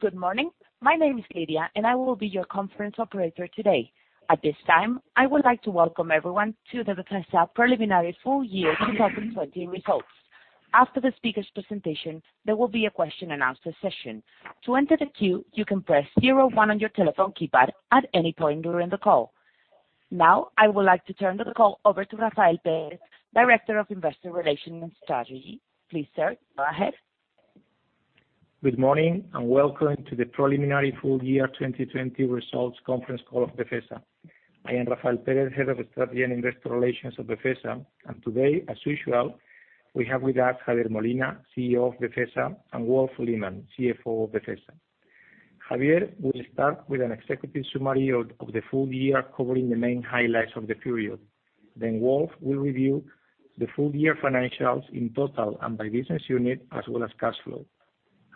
Good morning. My name is Lydia, I will be your conference operator today. At this time, I would like to welcome everyone to the Befesa Preliminary Full Year 2020 Results. After the speakers' presentation, there will be a question and answer session. To enter the queue, you can press zero, one on your telephone keypad at any point during the call. I would like to turn the call over to Rafael Pérez, Director of Investor Relations and Strategy. Please, sir, go ahead. Good morning. Welcome to the Preliminary Full Year 2020 Results conference call of Befesa. I am Rafael Pérez, Head of Strategy and Investor Relations of Befesa. Today, as usual, we have with us Javier Molina, CEO of Befesa, and Wolf Lehmann, CFO of Befesa. Javier will start with an executive summary of the full year, covering the main highlights of the period. Wolf will review the full-year financials in total and by business unit, as well as cash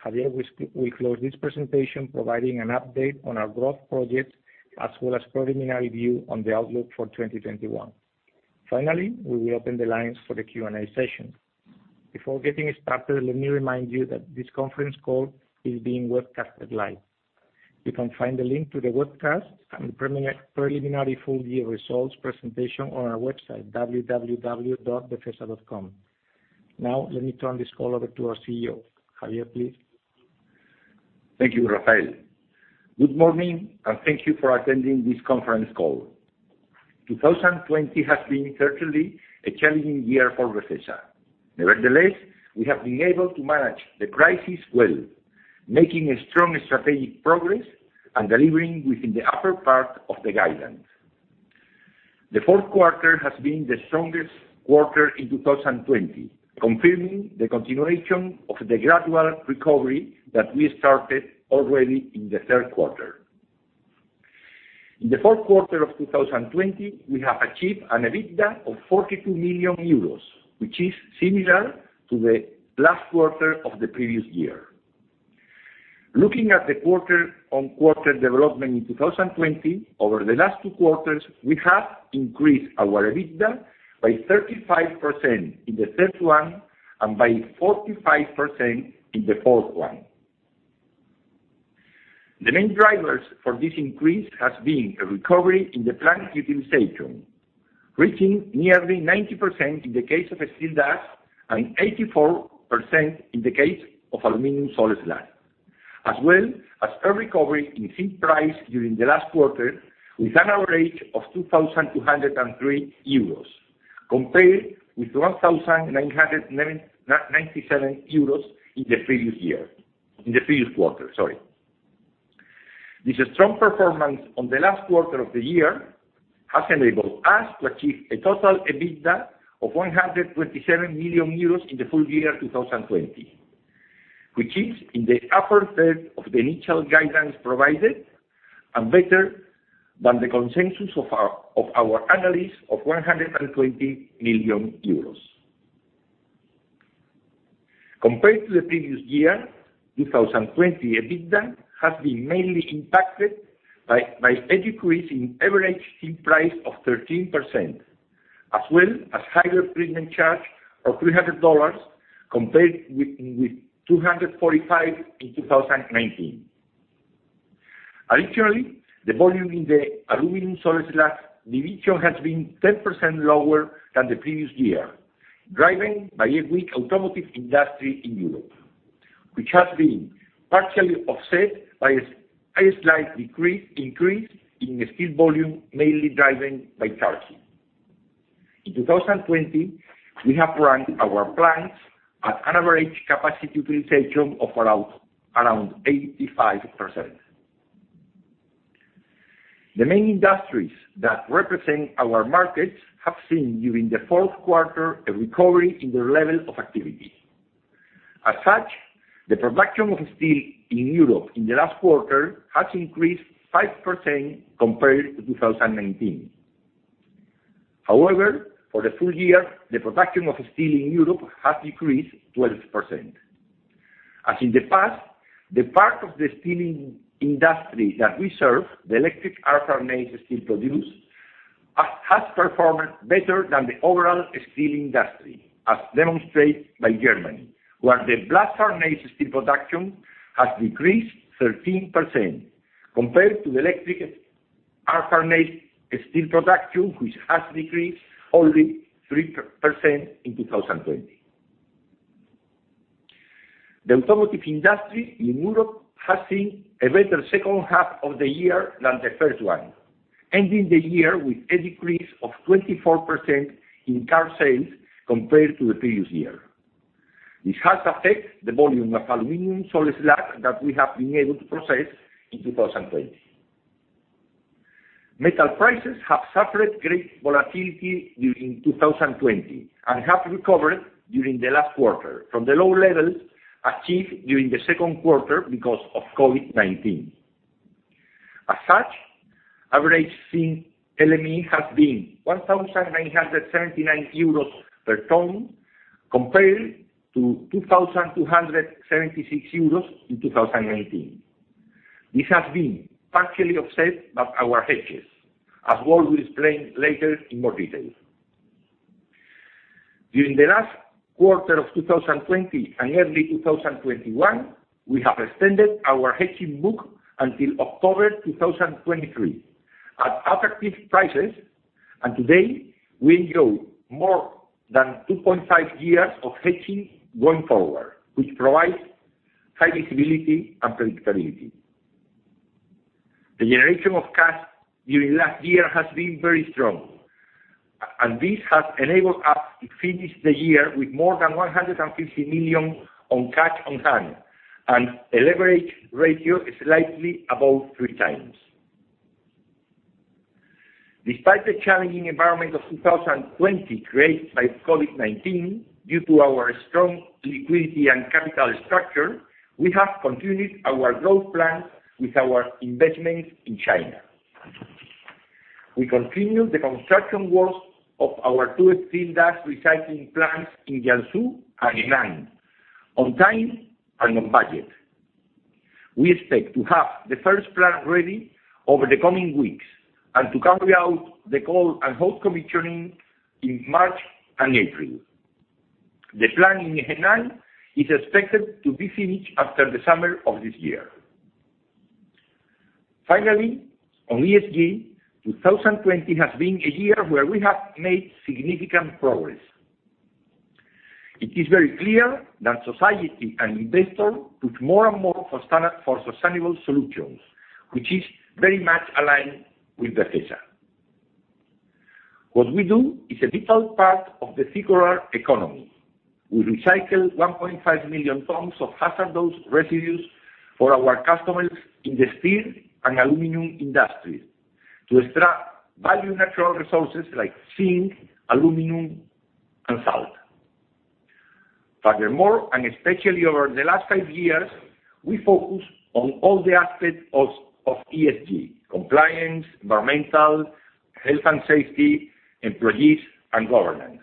flow. Javier will close this presentation providing an update on our growth projects, as well as a preliminary view on the outlook for 2021. Finally, we will open the lines for the Q&A session. Before getting started, let me remind you that this conference call is being webcast live. You can find the link to the webcast and preliminary full-year results presentation on our website, www.befesa.com. Now, let me turn this call over to our CEO. Javier, please. Thank you, Rafael. Good morning, and thank you for attending this conference call. 2020 has been certainly a challenging year for Befesa. Nevertheless, we have been able to manage the crisis well, making strong strategic progress and delivering within the upper part of the guidance. The fourth quarter has been the strongest quarter in 2020, confirming the continuation of the gradual recovery that we started already in the third quarter. In the fourth quarter of 2020, we have achieved an EBITDA of 42 million euros, which is similar to the last quarter of the previous year. Looking at the quarter-on-quarter development in 2020, over the last two quarters, we have increased our EBITDA by 35% in the third one and by 45% in the fourth one. The main drivers for this increase has been a recovery in the plant utilization, reaching nearly 90% in the case of steel dust and 84% in the case of aluminum salt slags, as well as a recovery in zinc price during the last quarter, with an average of 2,203 euros compared with 1,997 euros in the previous quarter. This strong performance on the last quarter of the year has enabled us to achieve a total EBITDA of 127 million euros in the full year 2020, which is in the upper third of the initial guidance provided and better than the consensus of our analyst of 120 million euros. Compared to the previous year, 2020 EBITDA has been mainly impacted by a decrease in average zinc price of 13%, as well as higher premium charge of $300 compared with $245 in 2019. Additionally, the volume in the aluminum salt slag division has been 10% lower than the previous year, driven by a weak automotive industry in Europe, which has been partially offset by a slight increase in steel volume, mainly driven by charging. In 2020, we have run our plants at an average capacity utilization of around 85%. The main industries that represent our markets have seen, during the fourth quarter, a recovery in their level of activity. As such, the production of steel in Europe in the last quarter has increased 5% compared to 2019. However, for the full year, the production of steel in Europe has decreased 12%. As in the past, the part of the steel industry that we serve, the electric arc furnace steel produced, has performed better than the overall steel industry, as demonstrated by Germany, where the blast furnace steel production has decreased 13% compared to the electric arc furnace steel production, which has decreased only 3% in 2020. The automotive industry in Europe has seen a better second half of the year than the first one, ending the year with a decrease of 24% in car sales compared to the previous year. This has affected the volume of aluminum salt slags that we have been able to process in 2020. Metal prices have suffered great volatility during 2020 and have recovered during the last quarter from the low levels achieved during the second quarter because of COVID-19. As such, average zinc LME has been 1,979 euros per ton, compared to 2,276 euros in 2019. This has been partially offset by our hedges, as Wolf will explain later in more detail. During the last quarter of 2020 and early 2021, we have extended our hedging book until October 2023 at attractive prices. Today we enjoy more than 2.5 years of hedging going forward, which provides high visibility and predictability. The generation of cash during last year has been very strong. This has enabled us to finish the year with more than 150 million on cash on hand and a leverage ratio is slightly above 3x. Despite the challenging environment of 2020 created by COVID-19, due to our strong liquidity and capital structure, we have continued our growth plan with our investments in China. We continue the construction works of our two steel dust recycling plants in Jiangsu and Henan on time and on budget. We expect to have the first plant ready over the coming weeks and to carry out the cold and hot commissioning in March and April. The plant in Henan is expected to be finished after the summer of this year. Finally, on ESG, 2020 has been a year where we have made significant progress. It is very clear that society and investors put more and more for sustainable solutions, which is very much aligned with Befesa. What we do is a vital part of the circular economy. We recycle 1.5 million tons of hazardous residues for our customers in the steel and aluminum industries to extract value natural resources like zinc, aluminum, and salt. Furthermore, and especially over the last five years, we focus on all the aspects of ESG, compliance, environmental, health and safety, employees, and governance.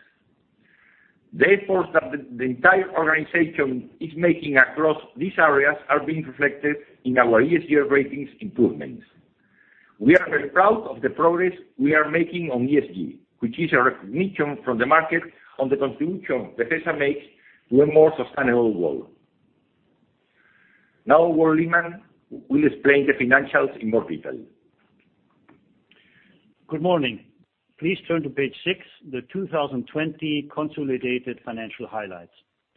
The effort that the entire organization is making across these areas are being reflected in our ESG ratings improvements. We are very proud of the progress we are making on ESG, which is a recognition from the market on the contribution Befesa makes to a more sustainable world. Now, Wolf Lehmann will explain the financials in more detail. Good morning. Please turn to page six, the 2020 consolidated financial highlights.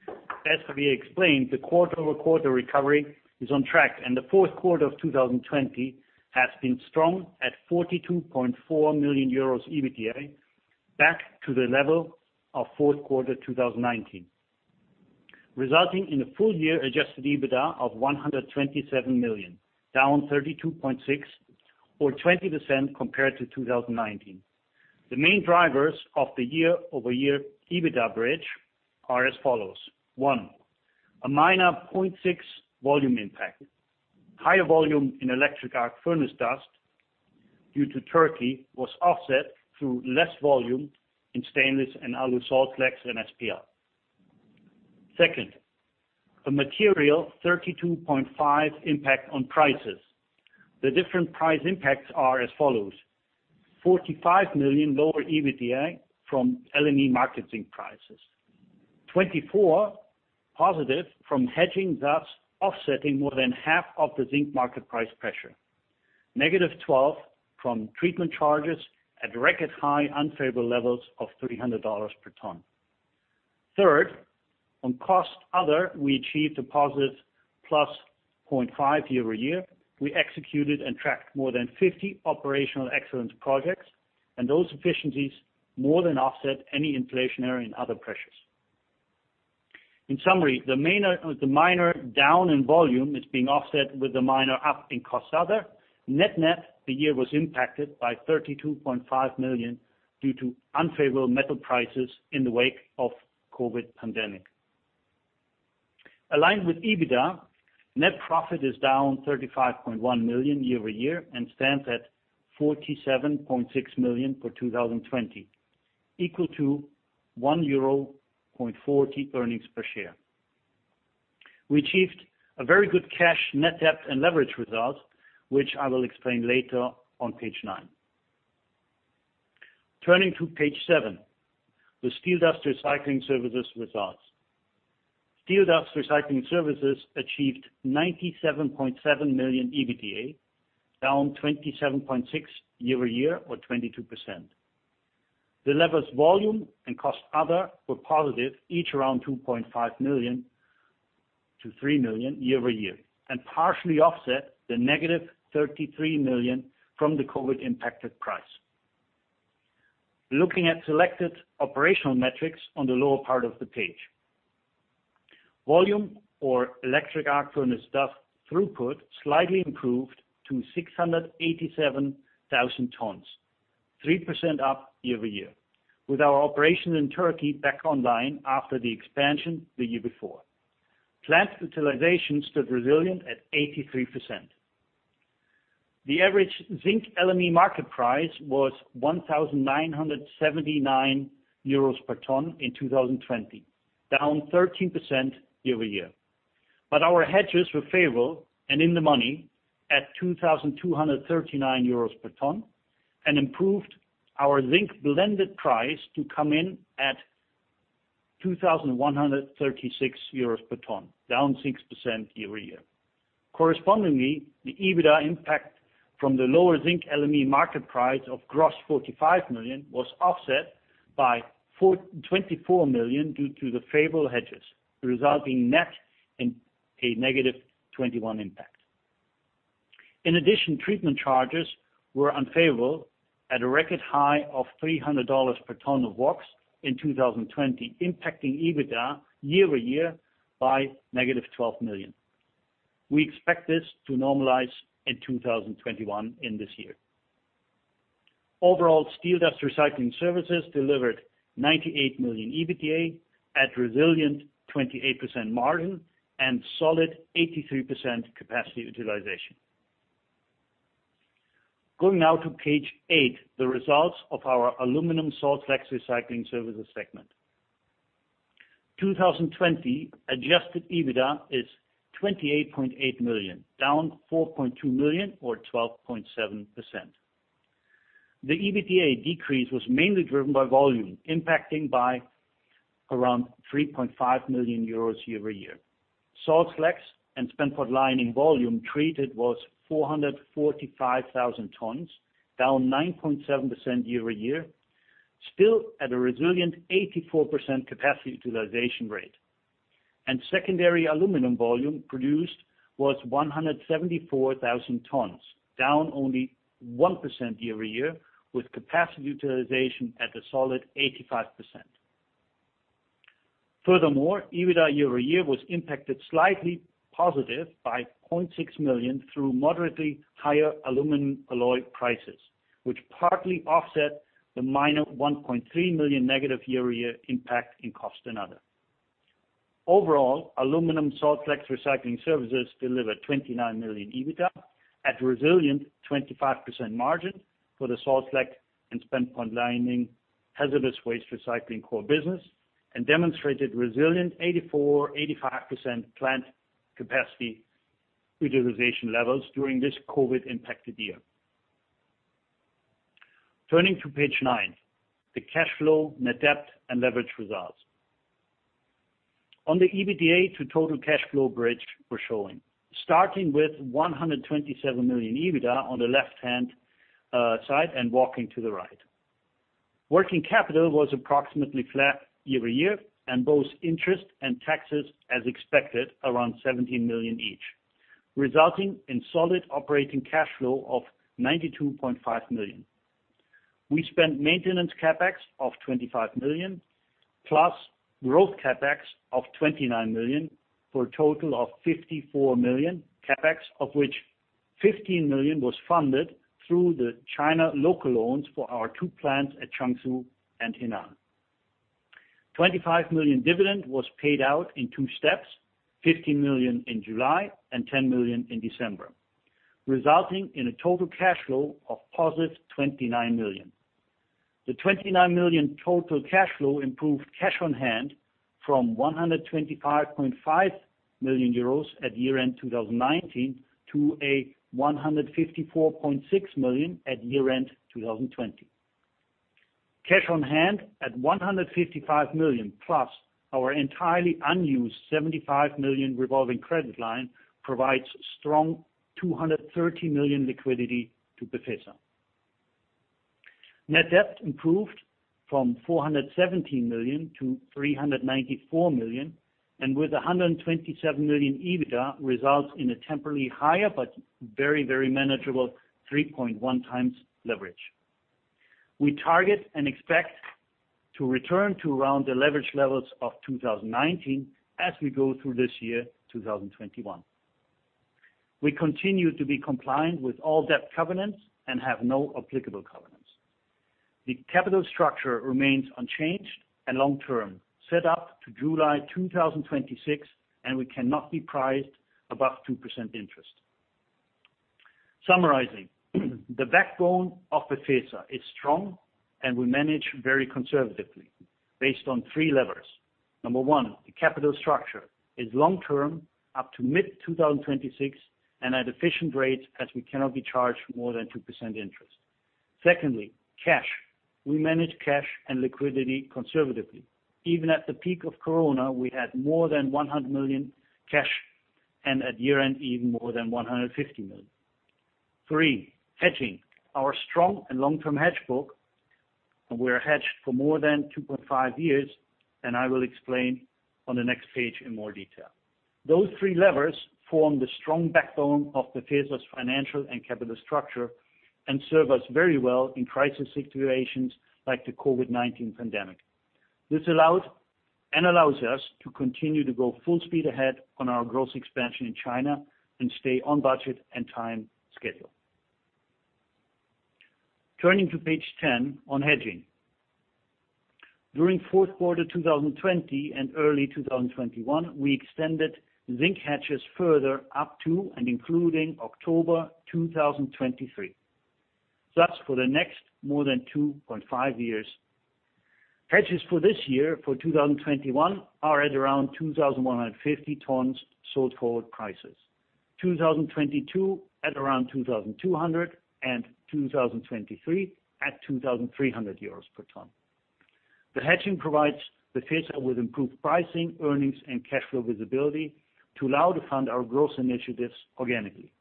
As Javier explained, the quarter-over-quarter recovery is on track, and the fourth quarter of 2020 has been strong at 42.4 million euros EBITDA, back to the level of fourth quarter 2019, resulting in a full year adjusted EBITDA of 127 million, down 32.6 million or 20% compared to 2019. The main drivers of the year-over-year EBITDA bridge are as follows. One, a minor 0.6% volume impact. Higher volume in electric arc furnace dust due to Turkey was offset through less volume in stainless and AluSalt slags and SPL. Second, a material 32.5% impact on prices. The different price impacts are as follows: $45 million lower EBITDA from LME market zinc prices, $24 million positive from hedging, thus offsetting more than half of the zinc market price pressure. -$12 million from treatment charges at record high unfavorable levels of $300 per ton. Third, on cost other, we achieved a positive +0.5 year-over-year. We executed and tracked more than 50 operational excellence projects. Those efficiencies more than offset any inflationary and other pressures. In summary, the minor down in volume is being offset with the minor up in cost other. Net-net, the year was impacted by 32.5 million due to unfavorable metal prices in the wake of COVID pandemic. Align with EBITDA, net profit is down 35.1 million year-over-year and stands at 47.6 million for 2020, equal to 1.40 euro earnings per share. We achieved a very good cash net debt and leverage result, which I will explain later on page nine. Turning to page seven, the steel dust recycling services results. Steel dust recycling services achieved 97.7 million EBITDA, down 27.6 year-over-year or 22%. The levers volume and cost other were positive, each around 2.5 million-3 million year-over-year, and partially offset the -33 million from the COVID impacted price. Looking at selected operational metrics on the lower part of the page, volume or electric arc furnace dust throughput slightly improved to 687,000 tons, 3% up year-over-year. With our operation in Turkey back online after the expansion the year before. Plant utilization stood resilient at 83%. The average zinc LME market price was 1,979 euros per ton in 2020, down 13% year-over-year. Our hedges were favorable and in the money at 2,239 euros per ton and improved our zinc blended price to come in at 2,136 euros per ton, down 6% year-over-year. Correspondingly, the EBITDA impact from the lower zinc LME market price of gross 45 million was offset by 24 million due to the favorable hedges, resulting net in a -21 million impact. In addition, treatment charges were unfavorable at a record high of $300 per ton of WOX in 2020, impacting EBITDA year-over-year by -12 million. We expect this to normalize in 2021 in this year. Overall, steel dust recycling services delivered 98 million EBITDA at resilient 28% margin and solid 83% capacity utilization. Going now to page eight, the results of our aluminum salt slags recycling services segment. 2020 adjusted EBITDA is 28.8 million, down 4.2 million or 12.7%. The EBITDA decrease was mainly driven by volume, impacting by around 3.5 million euros year-over-year. Salt slags and spent potlining volume treated was 445,000 tons, down 9.7% year-over-year, still at a resilient 84% capacity utilization rate. Secondary aluminum volume produced was 174,000 tons, down only 1% year-over-year, with capacity utilization at a solid 85%. Furthermore, EBITDA year-over-year was impacted slightly by +0.6 million through moderately higher aluminum alloy prices, which partly offset the minor 1.3 million negative year-over-year impact in cost and other. Overall, aluminum salt slags recycling services delivered 29 million EBITDA at resilient 25% margin for the salt slag and spent potlining hazardous waste recycling core business and demonstrated resilient 84%, 85% plant capacity utilization levels during this COVID impacted year. Turning to page nine, the cash flow, net debt, and leverage results. On the EBITDA to total cash flow bridge we're showing, starting with 127 million EBITDA on the left-hand side and walking to the right. Working capital was approximately flat year-over-year, both interest and taxes, as expected, around 17 million each, resulting in solid operating cash flow of 92.5 million. We spent maintenance CapEx of 25 million plus growth CapEx of 29 million for a total of 54 million CapEx, of which 15 million was funded through the China local loans for our two plants at Jiangsu and Henan. 25 million dividend was paid out in two steps, 15 million in July and 10 million in December, resulting in a total cash flow of +29 million. The 29 million total cash flow improved cash on hand from 125.5 million euros at year-end 2019 to a 154.6 million at year-end 2020. Cash on hand at 155 million, plus our entirely unused 75 million revolving credit line, provides strong 230 million liquidity to Befesa. Net debt improved from 417 million to 394 million, and with 127 million EBITDA results in a temporarily higher but very, very manageable 3.1x leverage. We target and expect to return to around the leverage levels of 2019 as we go through this year, 2021. We continue to be compliant with all debt covenants and have no applicable covenants. The capital structure remains unchanged and long-term, set up to July 2026, and we cannot be priced above 2% interest. Summarizing, the backbone of Befesa is strong, and we manage very conservatively based on three levers. Number one, the capital structure is long-term up to mid-2026 and at efficient rates as we cannot be charged more than 2% interest. Secondly, cash. We manage cash and liquidity conservatively, even at the peak of Corona, we had more than 100 million cash, and at year-end, even more than 150 million. Three, hedging. Our strong and long-term hedge book, and we are hedged for more than 2.5 years, and I will explain on the next page in more detail. Those three levers form the strong backbone of Befesa's financial and capital structure and serve us very well in crisis situations like the COVID-19 pandemic. This allowed and allows us to continue to go full speed ahead on our growth expansion in China and stay on budget and time schedule. Turning to page 10 on hedging. During fourth quarter 2020 and early 2021, we extended zinc hedges further up to and including October 2023. For the next more than 2.5 years. Hedges for this year, for 2021, are at around 2,150 tons sold forward prices. 2022 at around 2,200 and 2023 at 2,300 euros per ton. The hedging provides Befesa with improved pricing, earnings, and cash flow visibility to allow to fund our growth initiatives organically.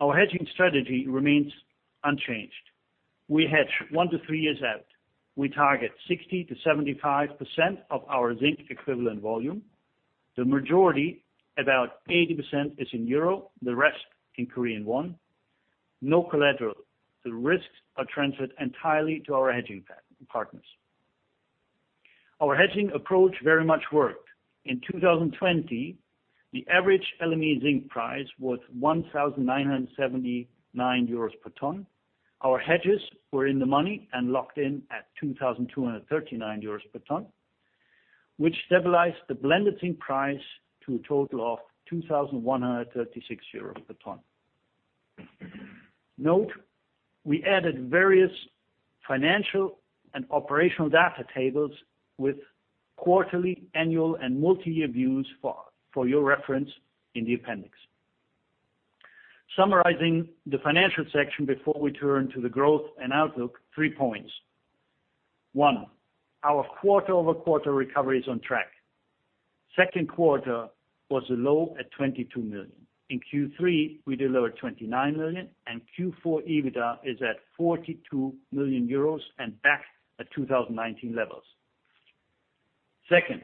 Our hedging strategy remains unchanged. We hedge one to three years out, we target 60%-75% of our zinc equivalent volume. The majority, about 80%, is in euro, the rest in Korean won, no collateral. The risks are transferred entirely to our hedging partners. Our hedging approach very much worked. In 2020, the average LME zinc price was 1,979 euros per ton. Our hedges were in the money and locked in at 2,239 euros per ton, which stabilized the blended zinc price to a total of 2,136 euros per ton. Note, we added various financial and operational data tables with quarterly, annual, and multi-year views for your reference in the appendix. Summarizing the financial section before we turn to the growth and outlook, three points. One, our quarter-over-quarter recovery is on track. Second quarter was low at 22 million, in Q3, we delivered 29 million, and Q4 EBITDA is at 42 million euros and back at 2019 levels. Second,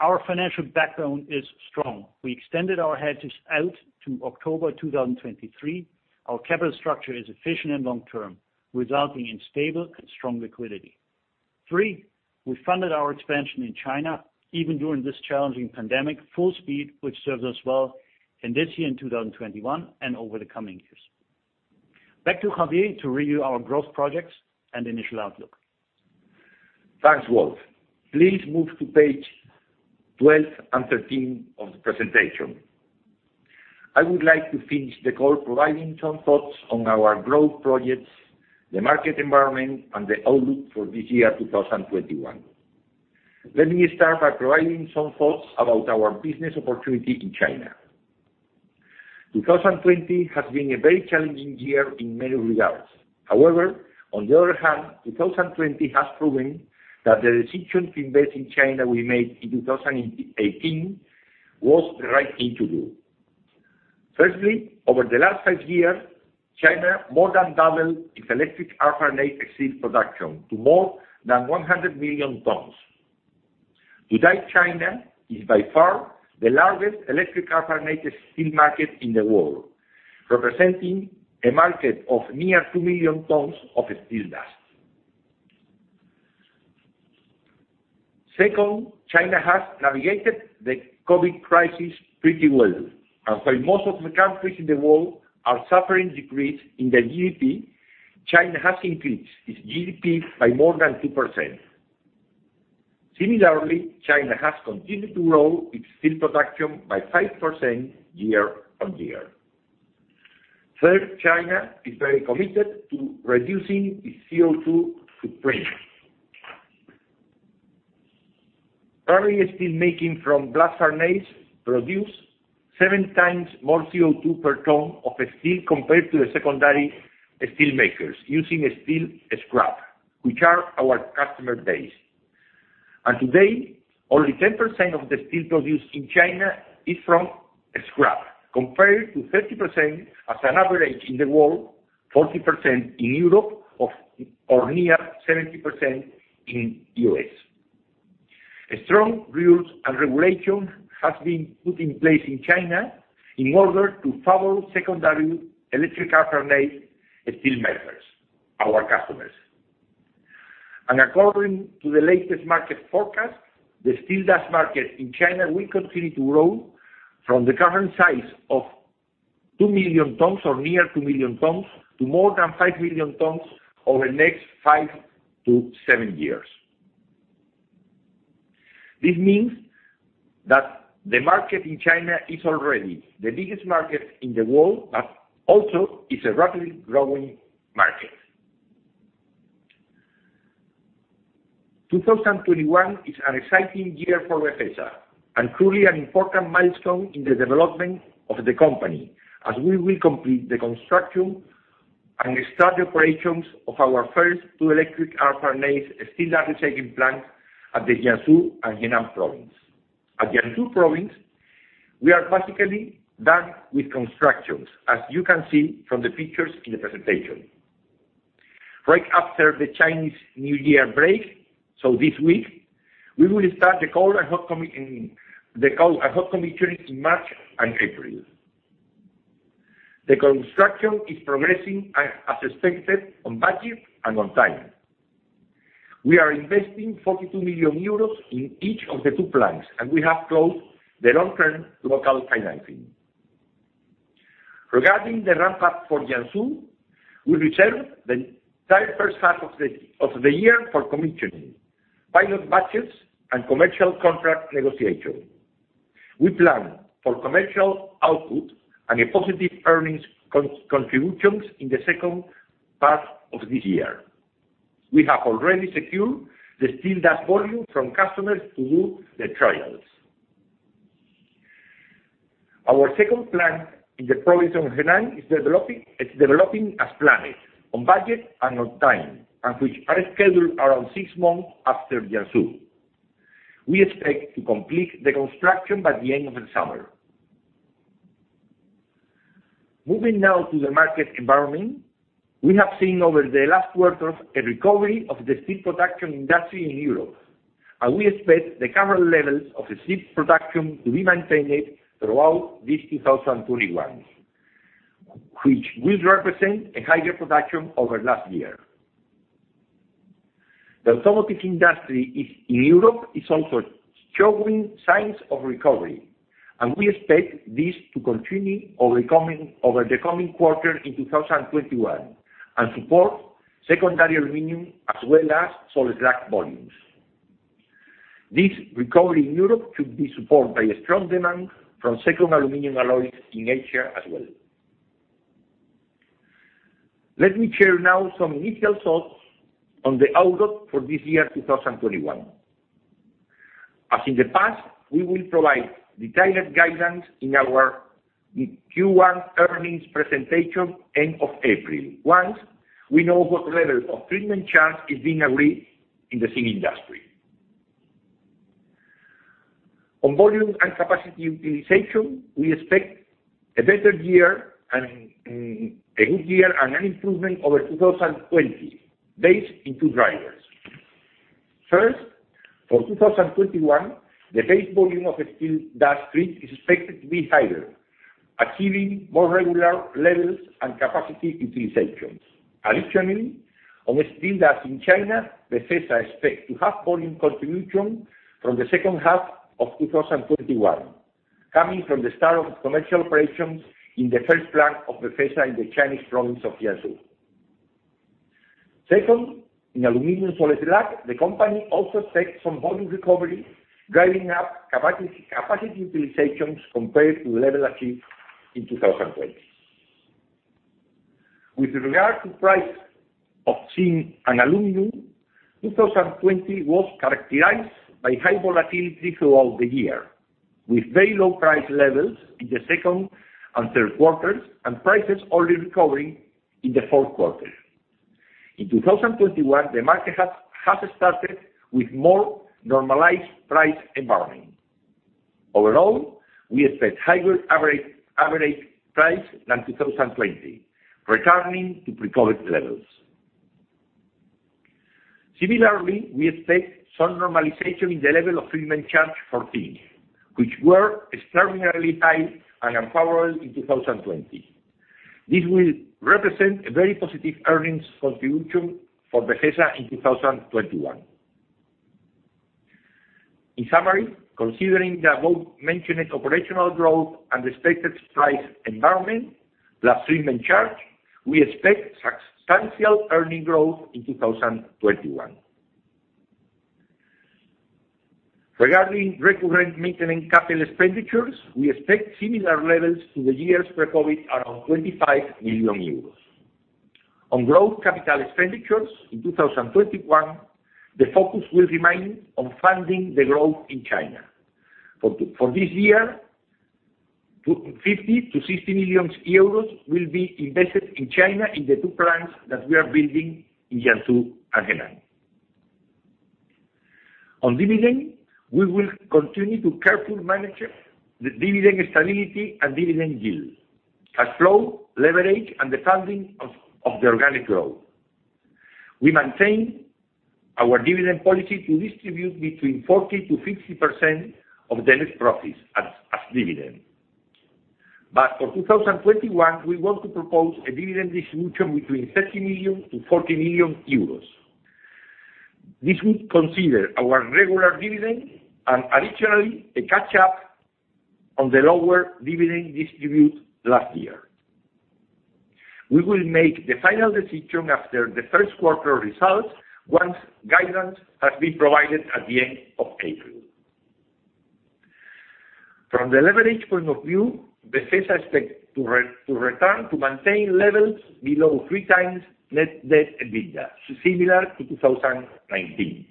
our financial backbone is strong. We extended our hedges out to October 2023. Our capital structure is efficient and long-term, resulting in stable and strong liquidity. Three, we funded our expansion in China, even during this challenging pandemic, full speed, which serves us well in this year, in 2021, and over the coming years. Back to Javier to review our growth projects and initial outlook. Thanks, Wolf. Please move to page 12 and 13 of the presentation. I would like to finish the call providing some thoughts on our growth projects, the market environment, and the outlook for this year, 2021. Let me start by providing some thoughts about our business opportunity in China. 2020 has been a very challenging year in many regards. However, on the other hand, 2020 has proven that the decision to invest in China we made in 2018 was the right thing to do. Firstly, over the last five years, China more than doubled its electric arc furnace steel production to more than 100 million tons. Today, China is by far the largest electric arc furnace steel market in the world, representing a market of near 2 million tons of steel dust. Second, China has navigated the COVID crisis pretty well. While most of the countries in the world are suffering decrease in their GDP, China has increased its GDP by more than 2%. Similarly, China has continued to grow its steel production by 5% year-on-year. Third, China is very committed to reducing its CO2 footprint. Primary steel making from blast furnaces produce 7x more CO2 per ton of steel compared to the secondary steel makers using steel scrap, which are our customer base. Today, only 10% of the steel produced in China is from scrap, compared to 30% as an average in the world, 40% in Europe, or near 70% in U.S. Strong rules and regulation has been put in place in China in order to favor secondary electric arc furnace steel makers, our customers. According to the latest market forecast, the steel dust market in China will continue to grow from the current size of 2 million tons or near 2 million tons to more than 5 million tons over the next five to seven years. This means that the market in China is already the biggest market in the world, but also is a rapidly growing market. 2021 is an exciting year for Befesa and truly an important milestone in the development of the company, as we will complete the construction and start operations of our first two electric arc furnace steel dust recycling plant at the Jiangsu and Henan province. At Jiangsu province, we are practically done with constructions, as you can see from the pictures in the presentation. Right after the Chinese New Year break, so this week, we will start the cold and hot commissioning in March and April. The construction is progressing as expected, on budget and on time. We are investing 42 million euros in each of the two plants, and we have closed the long-term local financing. Regarding the ramp-up for Jiangsu, we reserve the entire first half of the year for commissioning, pilot batches, and commercial contract negotiation. We plan for commercial output and positive earnings contributions in the second part of this year. We have already secured the steel dust volume from customers to do the trials. Our second plant in the province of Henan is developing as planned, on budget and on time, and which are scheduled around six months after Jiangsu. We expect to complete the construction by the end of the summer. Moving now to the market environment. We have seen over the last quarters a recovery of the steel production industry in Europe, and we expect the current levels of steel production to be maintained throughout this 2021, which will represent a higher production over last year. The automotive industry in Europe is also showing signs of recovery, and we expect this to continue over the coming quarter in 2021 and support secondary aluminum as well as salt slag volumes. This recovery in Europe should be supported by a strong demand from secondary aluminum alloys in Asia as well. Let me share now some initial thoughts on the outlook for this year 2021. As in the past, we will provide detailed guidance in our Q1 earnings presentation end of April, once we know what level of treatment charges is being agreed in the steel industry. On volume and capacity utilization, we expect a good year and an improvement over 2020 based on two variables. First, for 2021, the base volume of steel dust treat is expected to be higher, achieving more regular levels and capacity utilizations. Additionally, on steel dust in China, Befesa expects to have volume contribution from the second half of 2021, coming from the start of commercial operations in the first plant of Befesa in the Chinese province of Jiangsu. Second, in aluminum salt slag, the company also expects some volume recovery, driving up capacity utilizations compared to the level achieved in 2020. With regard to price of steel and aluminum, 2020 was characterized by high volatility throughout the year, with very low price levels in the second and third quarters and prices only recovering in the fourth quarter. In 2021, the market has started with more normalized price environment. Overall, we expect higher average price than 2020, returning to pre-COVID levels. Similarly, we expect some normalization in the level of treatment charge for steel, which were extraordinarily high and unparalleled in 2020. This will represent a very positive earnings contribution for Befesa in 2021. In summary, considering the above-mentioned operational growth and expected price environment, plus treatment charge, we expect substantial earning growth in 2021. Regarding recurrent maintenance capital expenditures, we expect similar levels to the years pre-COVID, around 25 million euros. On growth capital expenditures in 2021, the focus will remain on funding the growth in China. For this year, 50 million-60 million euros will be invested in China in the two plants that we are building in Jiangsu and Henan. On dividend, we will continue to carefully manage the dividend stability and dividend yield, cash flow, leverage, and the funding of the organic growth. We maintain our dividend policy to distribute between 40%-50% of the net profits as dividend. For 2021, we want to propose a dividend distribution between 30 million-40 million euros. This would consider our regular dividend and additionally, a catch-up on the lower dividend distributed last year. We will make the final decision after the first quarter results, once guidance has been provided at the end of April. From the leverage point of view, Befesa expects to return to maintain levels below 3x net debt EBITDA, similar to 2019.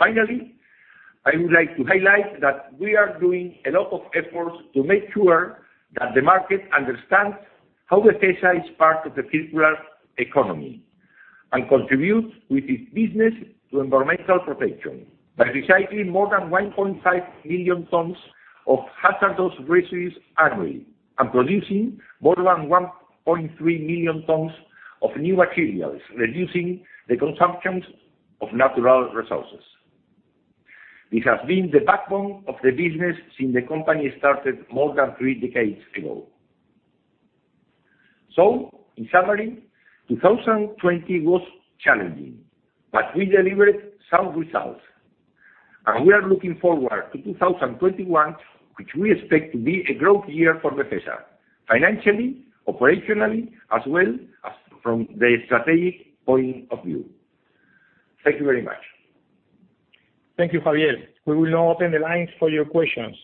I would like to highlight that we are doing a lot of efforts to make sure that the market understands how Befesa is part of the circular economy and contributes with its business to environmental protection by recycling more than 1.5 million tons of hazardous wastes annually and producing more than 1.3 million tons of new materials, reducing the consumption of natural resources. It has been the backbone of the business since the company started more than three decades ago. In summary, 2020 was challenging, but we delivered sound results. We are looking forward to 2021, which we expect to be a growth year for Befesa, financially, operationally, as well as from the strategic point of view. Thank you very much. Thank you, Javier. We will now open the lines for your questions.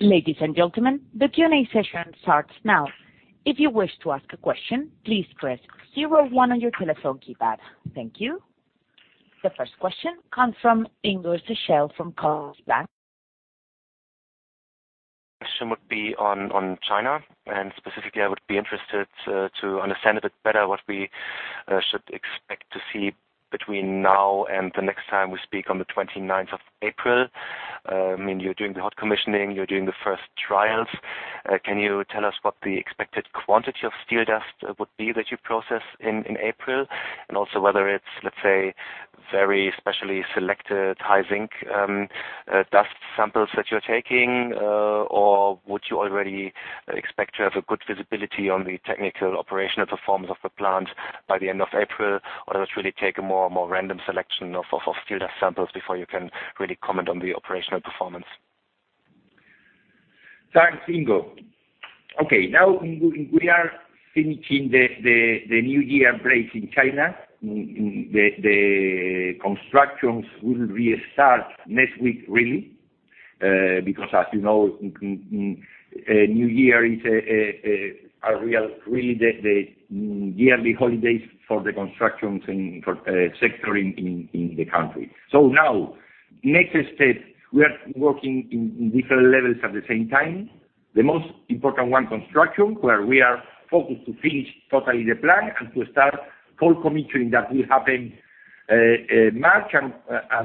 Ladies and gentlemen, the Q&A session starts now. If you wish to ask a question, please press zero, one on your telephone keypad. Thank you. The first question comes from Ingo Schachel from Commerzbank. Question would be on China, specifically, I would be interested to understand a bit better what we should expect to see between now and the next time we speak on the 19th of April. I mean, you're doing the hot commissioning, you're doing the first trials. Can you tell us what the expected quantity of steel dust would be that you process in April? Also whether it's, let's say, very specially selected high zinc dust samples that you're taking, or would you already expect to have a good visibility on the technical operational performance of the plant by the end of April? Does it really take a more random selection of steel dust samples before you can really comment on the operational performance? Thanks, Ingo. Okay. Now we are finishing the New Year break in China. The constructions will restart next week, really, because as you know, New Year is really the yearly holidays for the constructions sector in the country. Now, next step, we are working in different levels at the same time. The most important one, construction, where we are focused to finish totally the plant and to start cold commissioning that will happen March, and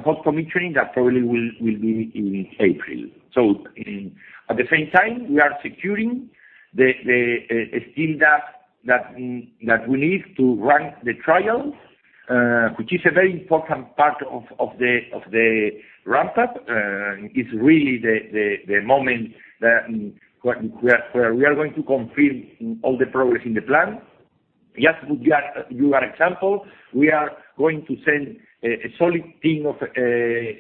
hot commissioning that probably will be in April. At the same time, we are securing the steel dust that we need to run the trials, which is a very important part of the ramp-up. It's really the moment where we are going to confirm all the progress in the plant. Just to give you an example, we are going to send a solid team of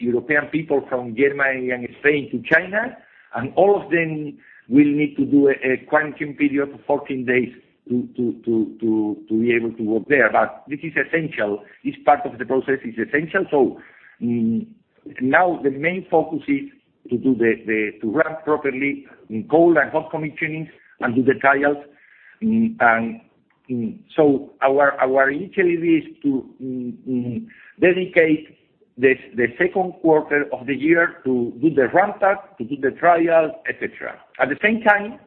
European people from Germany and Spain to China, and all of them will need to do a quarantine period of 14 days to be able to work there. This is essential, this part of the process is essential. Now the main focus is to run properly cold and hot commissioning and do the trials. Our intention is to dedicate the second quarter of the year to do the ramp-up, to do the trial, et cetera. At the same time,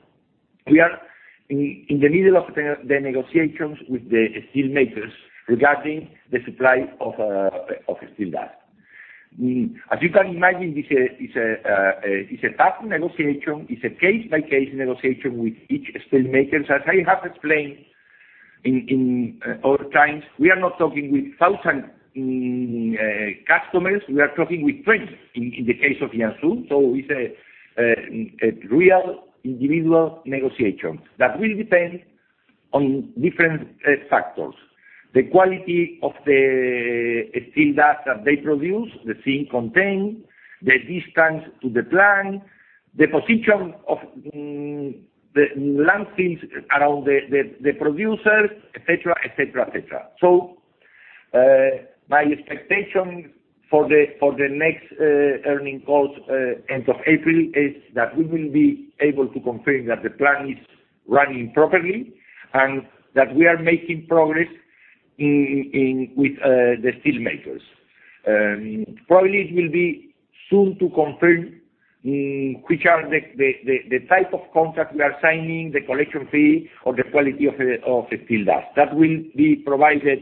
we are in the middle of the negotiations with the steel makers regarding the supply of steel dust. As you can imagine, it's a tough negotiation, it's a case-by-case negotiation with each steel maker. As I have explained in other times, we are not talking with 1,000 customers, we are talking with 20 in the case of Jiangsu. It's a real individual negotiation that will depend on different factors. The quality of the steel dust that they produce, the zinc content, the distance to the plant, the position of the land fields around the producers, et cetera. My expectation for the next earnings calls end of April is that we will be able to confirm that the plant is running properly and that we are making progress with the steel makers. Probably it will be soon to confirm which are the type of contract we are signing, the collection fee, or the quality of the steel dust. That will be provided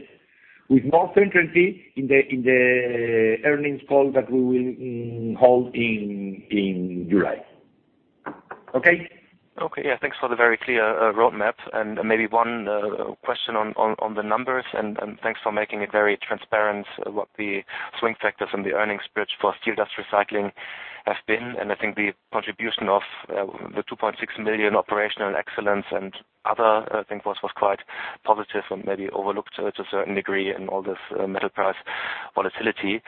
with more certainty in the earnings call that we will hold in July. Okay? Okay, yeah. Thanks for the very clear roadmap. Maybe one question on the numbers, and thanks for making it very transparent what the swing factors and the earnings bridge for steel dust recycling have been. I think the contribution of the 2.6 million operational excellence and other, I think was quite positive and maybe overlooked to a certain degree in all this metal price volatility.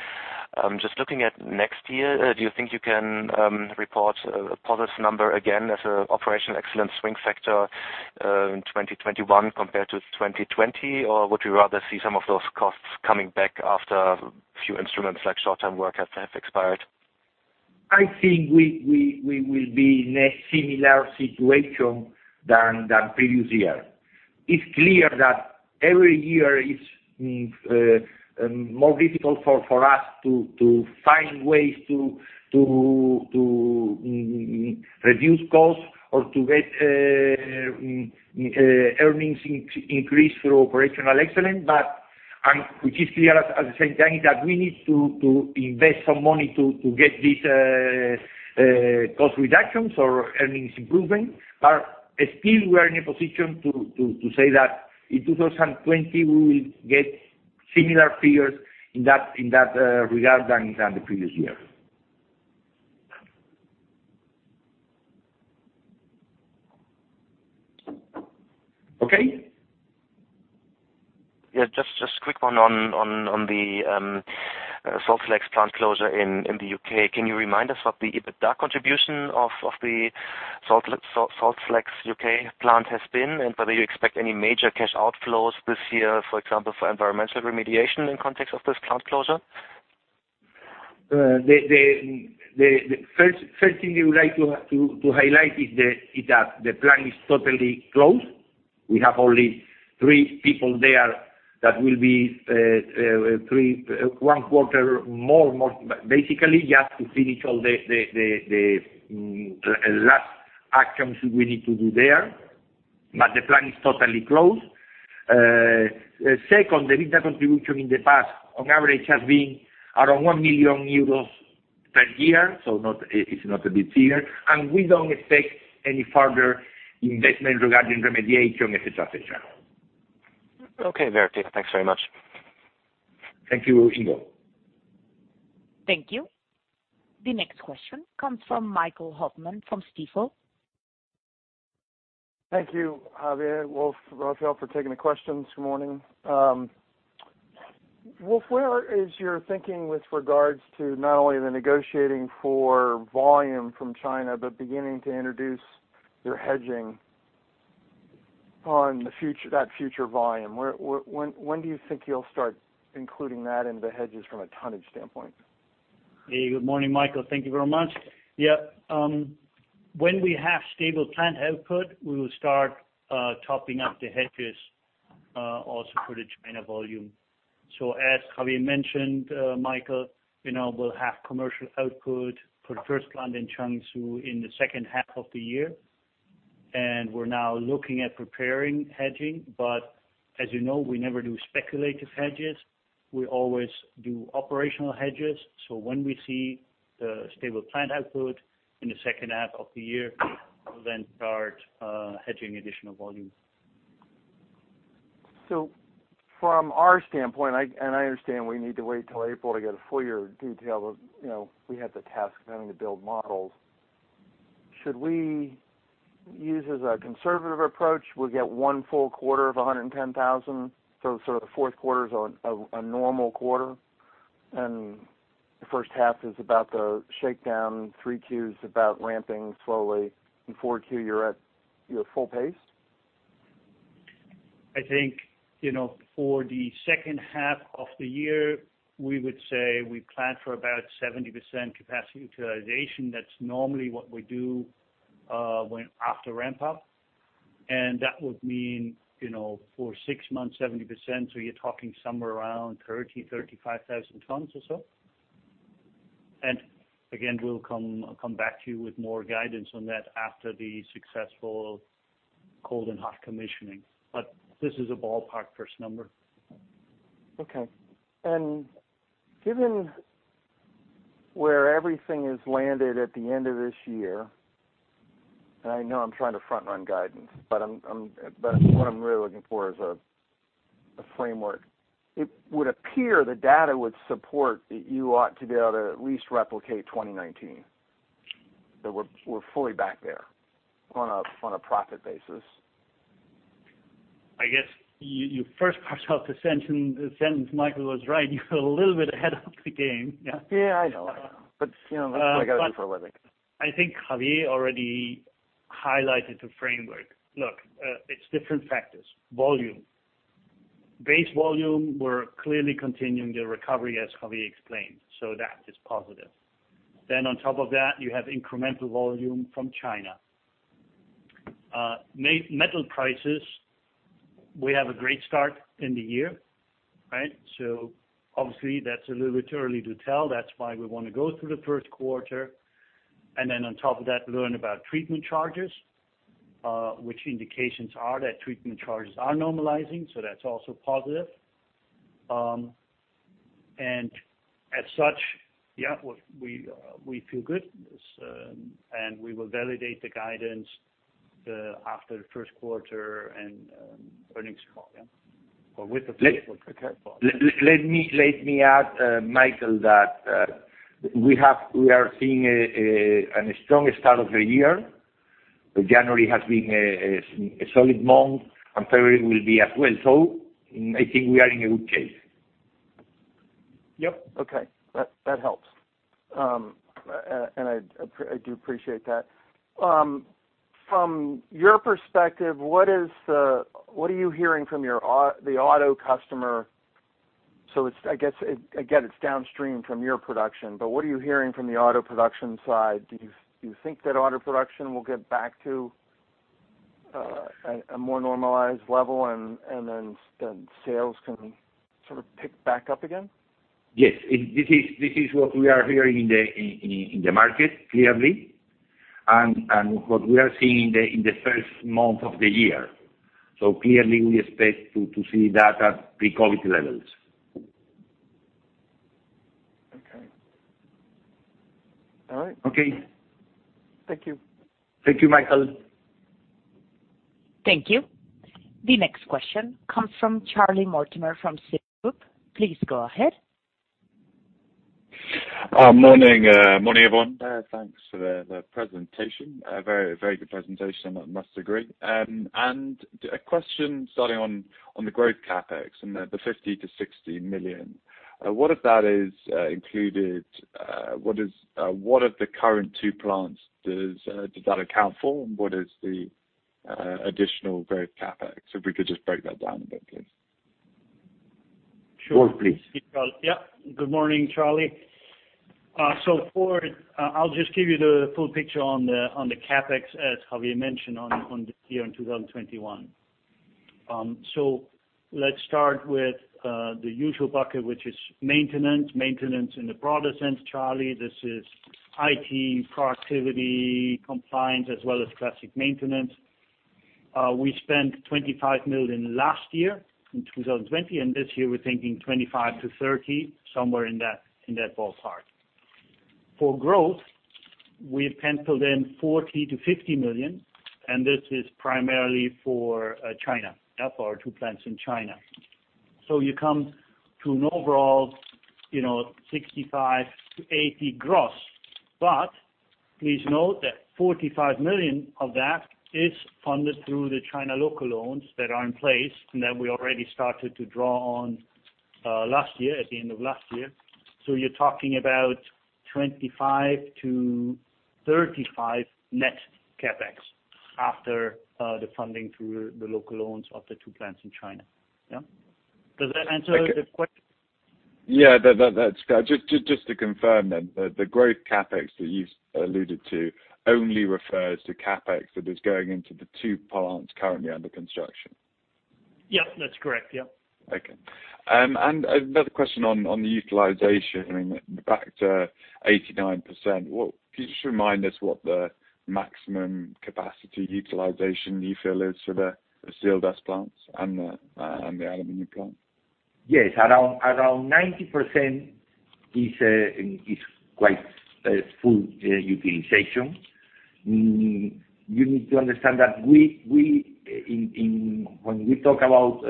Just looking at next year, do you think you can report a positive number again as a operational excellence swing factor in 2021 compared to 2020? Would we rather see some of those costs coming back after a few instruments like short-term work have expired? I think we will be in a similar situation than previous year. It's clear that every year is more difficult for us to find ways to reduce costs or to get earnings increase through operational excellence. Which is clear at the same time, is that we need to invest some money to get these cost reductions or earnings improvement. Still, we are in a position to say that in 2020, we will get similar figures in that regard than the previous year. Okay? Yeah, just quick one on salt slags plant closure in the U.K. Can you remind us what the EBITDA contribution of the salt slags U.K. plant has been, and whether you expect any major cash outflows this year, for example, for environmental remediation in context of this plant closure? The first thing we would like to highlight is that the plant is totally closed. We have only three people there. That will be one quarter more, basically just to finish all the last actions we need to do there. The plant is totally closed. Second, the EBITDA contribution in the past, on average, has been around 1 million euros per year, it's not a bit bigger. We don't expect any further investment regarding remediation, et cetera. Okay, Javier, thanks very much. Thank you, Ingo. Thank you. The next question comes from Michael Hoffman from Stifel. Thank you, Javier, Wolf, Rafael, for taking the questions. Good morning. Wolf, where is your thinking with regards to not only the negotiating for volume from China, but beginning to introduce your hedging on that future volume? When do you think you'll start including that into hedges from a tonnage standpoint? Hey, good morning, Michael. Thank you very much. When we have stable plant output, we will start topping up the hedges also for the China volume. As Javier mentioned, Michael, we'll have commercial output for the first plant in Jiangsu in the second half of the year, and we're now looking at preparing hedging. As you know, we never do speculative hedges. We always do operational hedges. When we see the stable plant output in the second half of the year, we'll then start hedging additional volume. From our standpoint, and I understand we need to wait till April to get a full year detail of we have the task of having to build models. Should we use as a conservative approach, we'll get one full quarter of 110,000, sort of the fourth quarter's a normal quarter, and the first half is about the shakedown, 3Qs about ramping slowly, in 4Q, you're at your full pace? I think, for the second half of the year, we would say we plan for about 70% capacity utilization. That's normally what we do after ramp up, and that would mean, for six months, 70%, you're talking somewhere around 30,000-35,000 tons or so. Again, we'll come back to you with more guidance on that after the successful cold and hot commissioning. This is a ballpark first number. Okay. Given where everything is landed at the end of this year, and I know I'm trying to front-run guidance, but what I'm really looking for is a framework. It would appear the data would support that you ought to be able to at least replicate 2019. That we're fully back there on a profit basis. I guess your first part of the sentence, Michael, was right. You're a little bit ahead of the game. Yeah, I know. That's what I got in for a living. I think Javier already highlighted the framework. Look, it's different factors; volume, base volume, we are clearly continuing the recovery, as Javier explained. That is positive. On top of that, you have incremental volume from China. Metal prices, we have a great start in the year, obviously that's a little bit early to tell. That's why we want to go through the first quarter, and then on top of that, learn about treatment charges, which indications are that treatment charges are normalizing, that's also positive. As such, yeah, we feel good, we will validate the guidance after the first quarter and earnings call. Let me add, Michael, that we are seeing a strong start of the year. January has been a solid month, and February will be as well. I think we are in a good case. Yep, okay, that helps. I do appreciate that. From your perspective, what are you hearing from the auto customer? I guess, again, it's downstream from your production, but what are you hearing from the auto production side? Do you think that auto production will get back to a more normalized level and then sales can sort of pick back up again? Yes. This is what we are hearing in the market, clearly, and what we are seeing in the first month of the year. Clearly, we expect to see that at pre-COVID levels. Okay, all right. Okay. Thank you. Thank you, Michael. Thank you. The next question comes from Charlie Mortimer from Citigroup. Please go ahead. Morning, everyone. Thanks for the presentation, a very good presentation. I must agree. A question starting on the growth CapEx and the 50 million-60 million. What of that is included? What of the current two plants does that account for, and what is the additional growth CapEx? If we could just break that down a bit, please. Sure. Wolf, please. Good morning, Charlie. Wolf, I'll just give you the full picture on the CapEx, as Javier mentioned, on this year in 2021. Let's start with the usual bucket, which is maintenance in the broadest sense, Charlie. This is IT, productivity, compliance, as well as classic maintenance. We spent 25 million last year, in 2020, and this year we're thinking 25 million-30 million, somewhere in that ballpark. For growth, we've penciled in 40 million-50 million, and this is primarily for China, for our two plants in China. You come to an overall 65 million-80 million gross. Please note that 45 million of that is funded through the China local loans that are in place and that we already started to draw on last year, at the end of last year. You're talking about 25 million-35 million net CapEx after the funding through the local loans of the two plants in China. Yeah. Does that answer the question? Yeah. Just to confirm, the growth CapEx that you alluded to only refers to CapEx that is going into the two plants currently under construction. Yeah, that's correct. Yeah. Okay. Another question on the utilization, back to 89%. Can you just remind us what the maximum capacity utilization you feel is for the steel dust plants and the aluminum plant? Yes. Around 90% is quite full utilization. You need to understand that when we talk about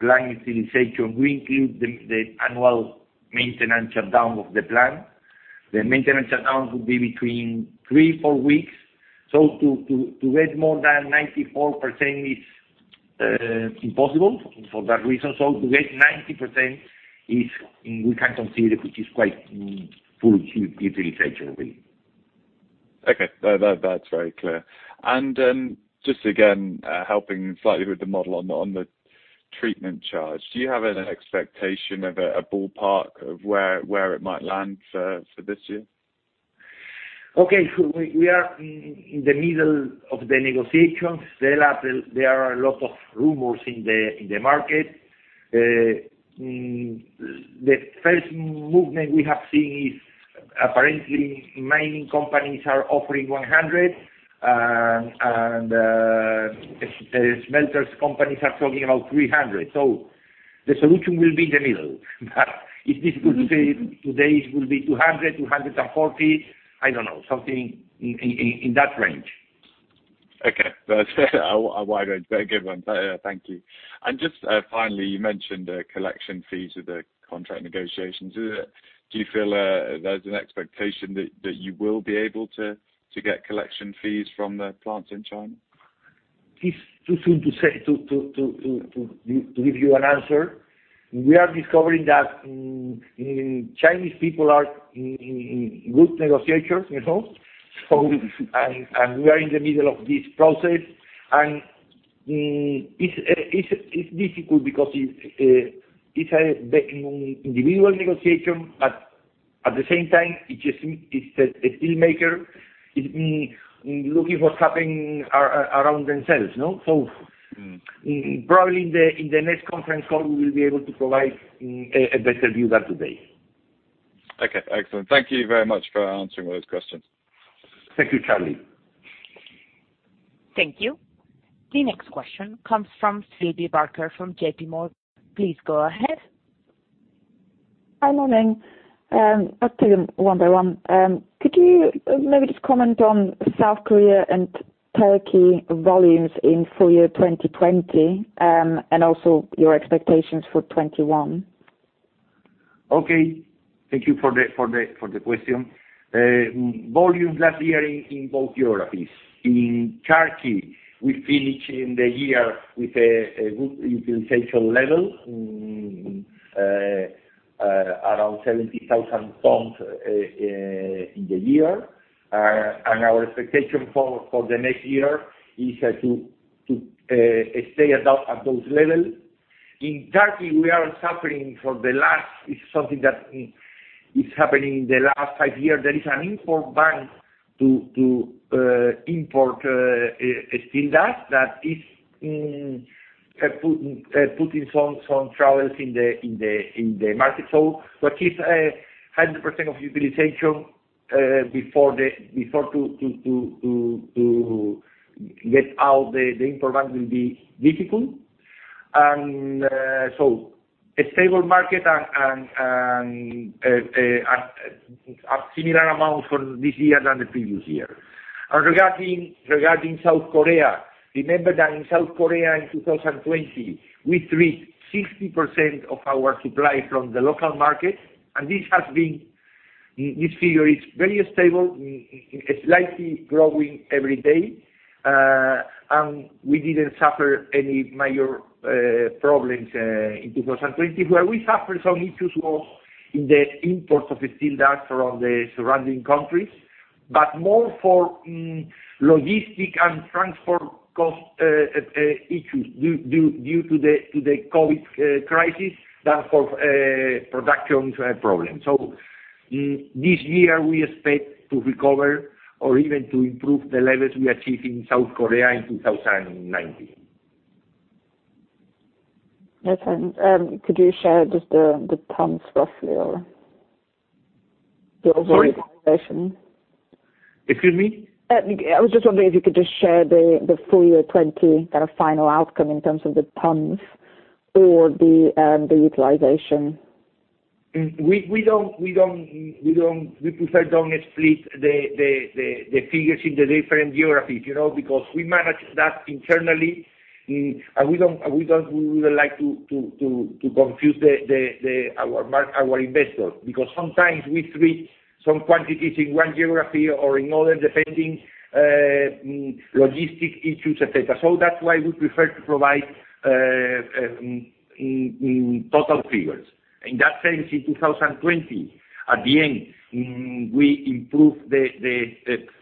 plant utilization, we include the annual maintenance shutdown of the plant. The maintenance shutdown will be between three, four weeks. To get more than 94% is impossible for that reason. To get 90%, we can consider, which is quite full utilization. Okay, that's very clear. Just again, helping slightly with the model on the treatment charge, do you have an expectation of a ballpark of where it might land for this year? Okay. We are in the middle of the negotiations, there are a lot of rumors in the market. The first movement we have seen is apparently mining companies are offering $100, and smelters companies are talking about $300. The solution will be in the middle, it's difficult to say. Today it will be $200-$240, I don't know, something in that range. Okay. Very good one, thank you. Just finally, you mentioned collection fees of the contract negotiations. Do you feel there's an expectation that you will be able to get collection fees from the plants in China? It's too soon to say, to give you an answer. We are discovering that Chinese people are good negotiators, we are in the middle of this process. It's difficult because it's an individual negotiation, but at the same time, it's a steelmaker looking what's happening around themselves. Probably in the next conference call, we will be able to provide a better view than today. Okay, excellent. Thank you very much for answering all those questions. Thank you, Charlie. Thank you. The next question comes from Phoebe Barker from JPMorgan. Please go ahead. Hi, morning. I'll tell you one by one. Could you maybe just comment on South Korea and Turkey volumes in full year 2020, and also your expectations for 2021? Okay. Thank you for the question. Volumes last year in both geographies. In Turkey, we finished the year with a good utilization level, around 70,000 tons in the year, our expectation for the next year is to stay at those levels. In Turkey, we are suffering, it's something that is happening in the last five years, there is an import ban to import steel dust that is putting some troubles in the market. To keep 100% of utilization before to get out the import ban will be difficult. A stable market and a similar amount for this year than the previous year. Regarding South Korea, remember that in South Korea in 2020, we treat 60% of our supply from the local market. This figure is very stable, slightly growing every day, we didn't suffer any major problems in 2020. Where we suffered some issues was in the imports of steel dust around the surrounding countries, but more for logistic and transport cost issues due to the COVID crisis than for production problems. This year, we expect to recover or even to improve the levels we achieved in South Korea in 2019. Yes. Could you share just the tons roughly or... Sorry? ...the overall utilization? Excuse me? I was just wondering if you could just share the full year 2020 final outcome in terms of the tons or the utilization. We prefer don't split the figures in the different geographies, because we manage that internally, and we wouldn't like to confuse our investors, because sometimes we treat some quantities in one geography or in other, depending logistic issues, et cetera. That's why we prefer to provide total figures. In that sense, in 2020, at the end, we improved the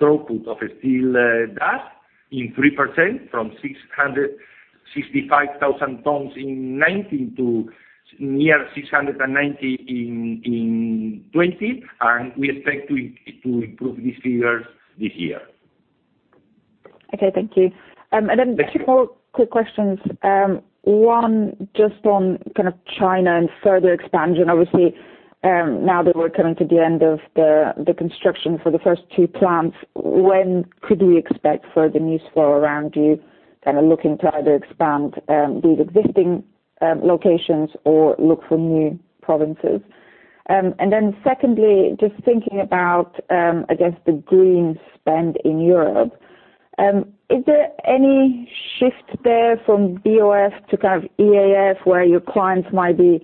throughput of steel dust in 3%, from 665,000 tons in 2019 to near 690, 000 tons in 2020. We expect to improve these figures this year. Okay. Thank you. Thank you. Just two more quick questions. One, just on China and further expansion. Obviously, now that we're coming to the end of the construction for the first two plants, when could we expect further news flow around you looking to either expand these existing locations or look for new provinces? Secondly, just thinking about, I guess the green spend in Europe, is there any shift there from BOF to EAF where your clients might be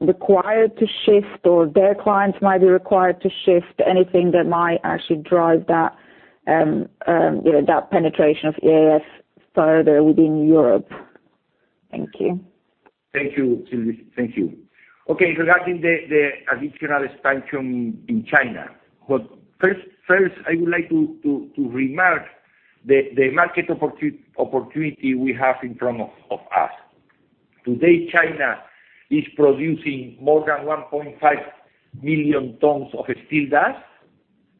required to shift or their clients might be required to shift? Anything that might actually drive that penetration of EAF further within Europe? Thank you. Thank you, Phoebe. Thank you. Okay, regarding the additional expansion in China. First, I would like to remark the market opportunity we have in front of us. Today, China is producing more than 1.5 million tons of steel dust,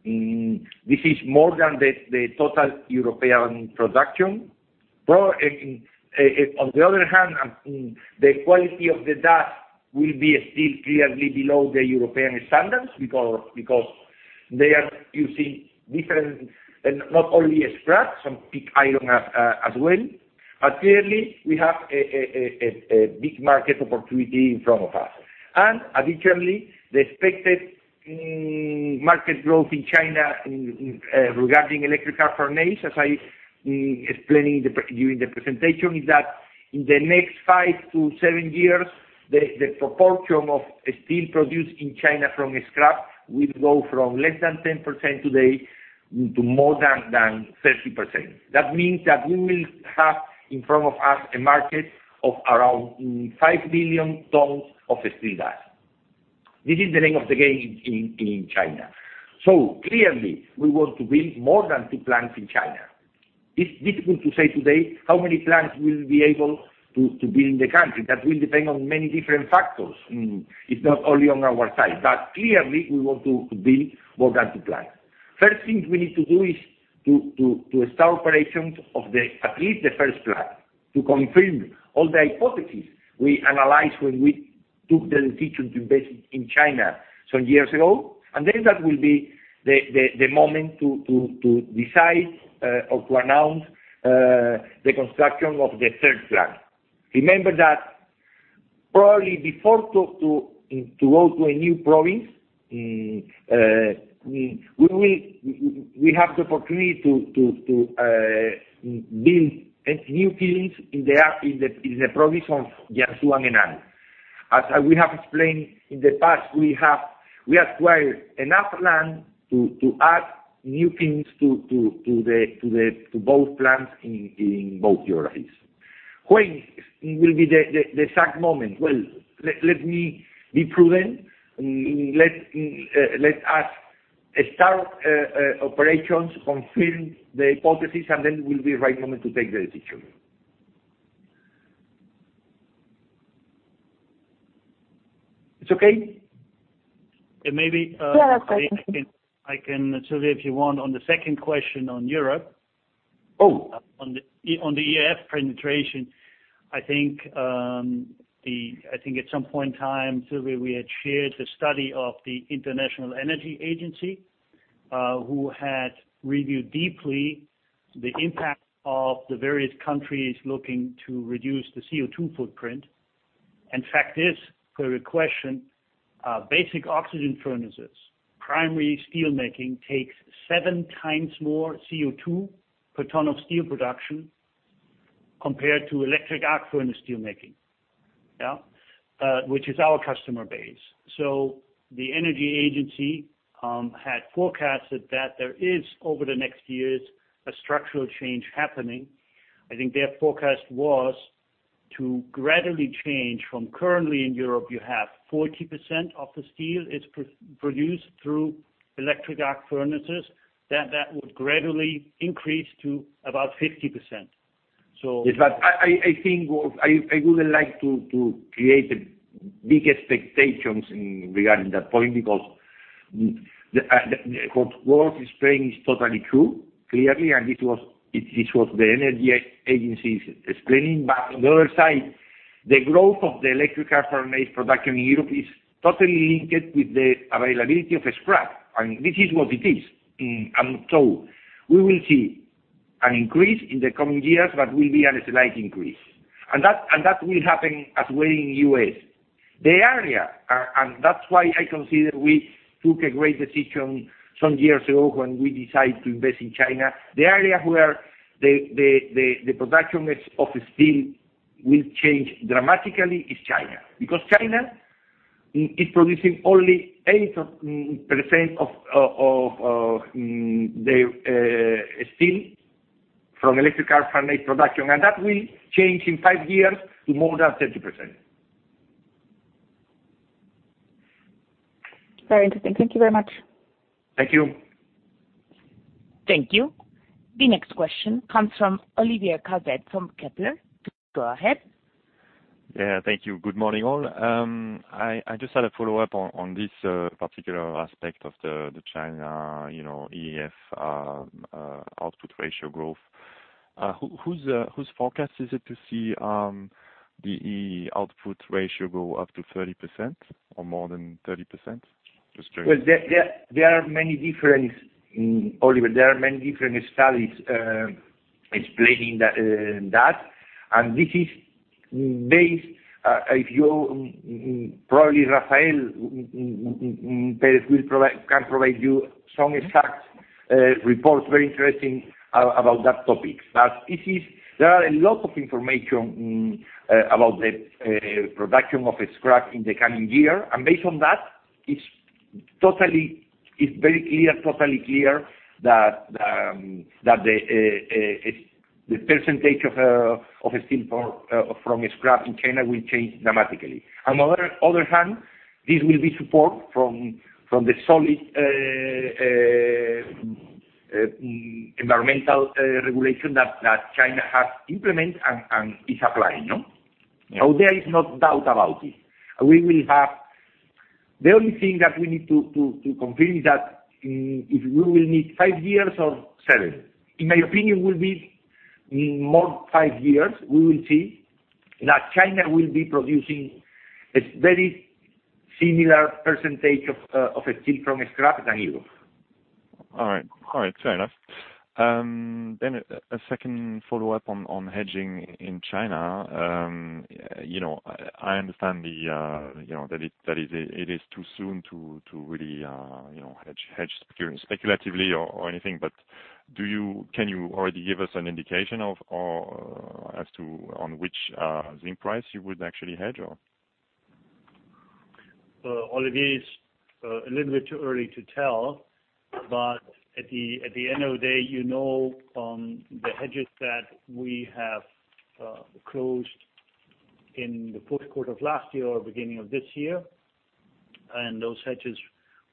this is more than the total European production. On the other hand, the quality of the dust will be still clearly below the European standards because they are using different, and not only scrap, some pig iron as well. Clearly, we have a big market opportunity in front of us. Additionally, the expected market growth in China regarding electric arc furnace, as I explained during the presentation, is that in the next five to seven years, the proportion of steel produced in China from scrap will go from less than 10% today to more than 30%. That means that we will have in front of us a market of around 5 billion tons of steel dust. This is the name of the game in China. Clearly, we want to build more than two plants in China. It is difficult to say today how many plants we will be able to build in the country, that will depend on many different factors. It is not only on our side, but clearly we want to build more than two plants. First thing we need to do is to start operations of at least the first plant, to confirm all the hypothesis we analyzed when we took the decision to invest in China some years ago. That will be the moment to decide, or to announce the construction of the third plant. Remember that probably before to go to a new province, we have the opportunity to build new kilns in the province of Jiangsu and Henan. As we have explained in the past, we acquired enough land to add new kilns to both plants in both geographies. When will be the exact moment? Well, let me be prudent, let us start operations, confirm the hypothesis, and then will be right moment to take the decision. It's okay? Maybe. Yeah, last question. I can, Phoebe, if you want, on the second question on Europe. Oh. On the EAF penetration, I think at some point in time, Phoebe, we had shared the study of the International Energy Agency, who had reviewed deeply the impact of the various countries looking to reduce the CO2 footprint. Fact is, per your question, basic oxygen furnaces, primary steelmaking takes seven times more CO2 per ton of steel production compared to electric arc furnace steelmaking which is our customer base. The Energy Agency had forecasted that there is, over the next years, a structural change happening. I think their forecast was to gradually change from currently in Europe, you have 40% of the steel is produced through electric arc furnaces, that would gradually increase to about 50%. Yes, but I think I wouldn't like to create big expectations regarding that point, because what Wolf is saying is totally true, clearly, and it was the International Energy Agency explaining, but on the other side, the growth of the electric arc furnace production in Europe is totally linked with the availability of scrap. This is what it is. We will see an increase in the coming years, but it will be a slight increase. That will happen as well in the U.S. The area, and that's why I consider we took a great decision some years ago when we decided to invest in China. The area where the production of steel will change dramatically is China, because China is producing only 8% of the steel from electric arc furnace production, and that will change in five years to more than 30%. Very interesting. Thank you very much. Thank you. Thank you. The next question comes from Olivier Calvet from Kepler. Go ahead. Yeah, thank you. Good morning, all. I just had a follow-up on this particular aspect of the China EAF output ratio growth. Whose forecast is it to see the output ratio go up to 30% or more than 30%? Just curious. Well, there are many different, Olivier, there are many different studies explaining that. This is based, probably Rafael Pérez can provide you some exact reports, very interesting about that topic. There are a lot of information about the production of scrap in the coming year. Based on that, it's very clear, totally clear that the percentage of steel from scrap in China will change dramatically. On the other hand, this will be support from the solid environmental regulation that China has implemented and is applying. No? Yeah. There is no doubt about it. The only thing that we need to confirm is that if we will need five years or seven. In my opinion, will be more five years, we will see that China will be producing a very similar percentage of steel from scrap than Europe. All right, fair enough. A second follow-up on hedging in China. I understand that it is too soon to really hedge speculatively or anything, but can you already give us an indication as to on which zinc price you would actually hedge on? Olivier, it's a little bit too early to tell, but at the end of the day, you know the hedges that we have closed in the fourth quarter of last year or beginning of this year, and those hedges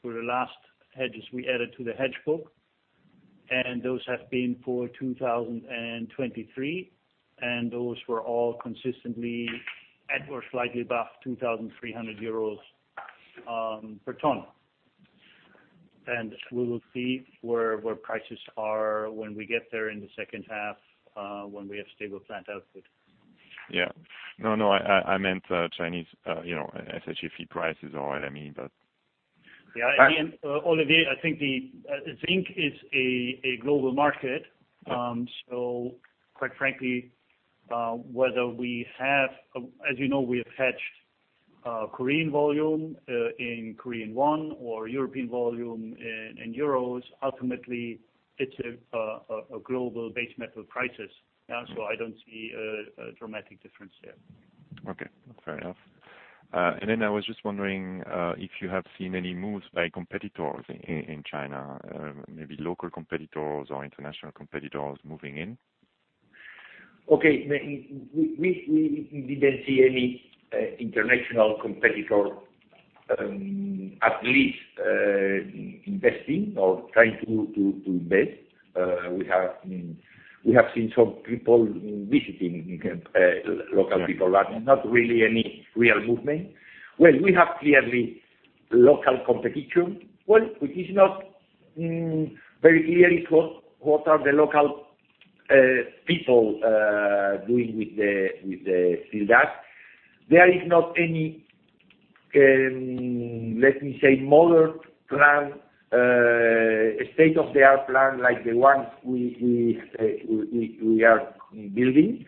were the last hedges we added to the hedge book, and those have been for 2023, and those were all consistently at or slightly above 2,300 euros per ton. We will see where prices are when we get there in the second half, when we have stable plant output. Yeah. No, I meant Chinese SHFE prices are what I mean. Yeah. Again, Olivier, I think zinc is a global market. Quite frankly, whether we have, as you know, we have hedged Korean volume in Korean won or European volume in euros, ultimately, it's a global base metal prices. I don't see a dramatic difference there. Okay, fair enough. I was just wondering if you have seen any moves by competitors in China, maybe local competitors or international competitors moving in? Okay. We didn't see any international competitor, at least, investing or trying to invest. We have seen some people visiting, local people, but not really any real movement. Well, we have clearly local competition. Well, it is not very clear what are the local people doing with the steel dust. There is not let me say modern plant, state-of-the-art plant, like the ones we are building.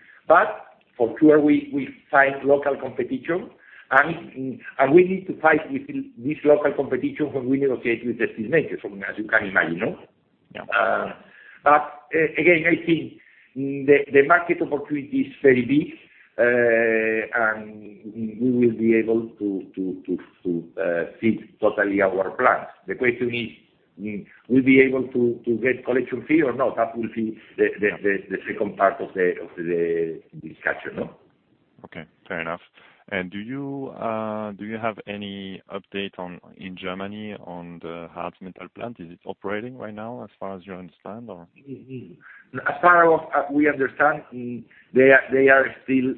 For sure, we find local competition, and we need to fight with this local competition when we negotiate with the steelmakers, as you can imagine. Yeah. Again, I think the market opportunity is very big, and we will be able to fill totally our plants. The question is, will we be able to get collection fee or not? That will be the second part of the discussion. Okay, fair enough. Do you have any update in Germany on the Hardtmühle plant? Is it operating right now as far as you understand? As far as we understand, they are still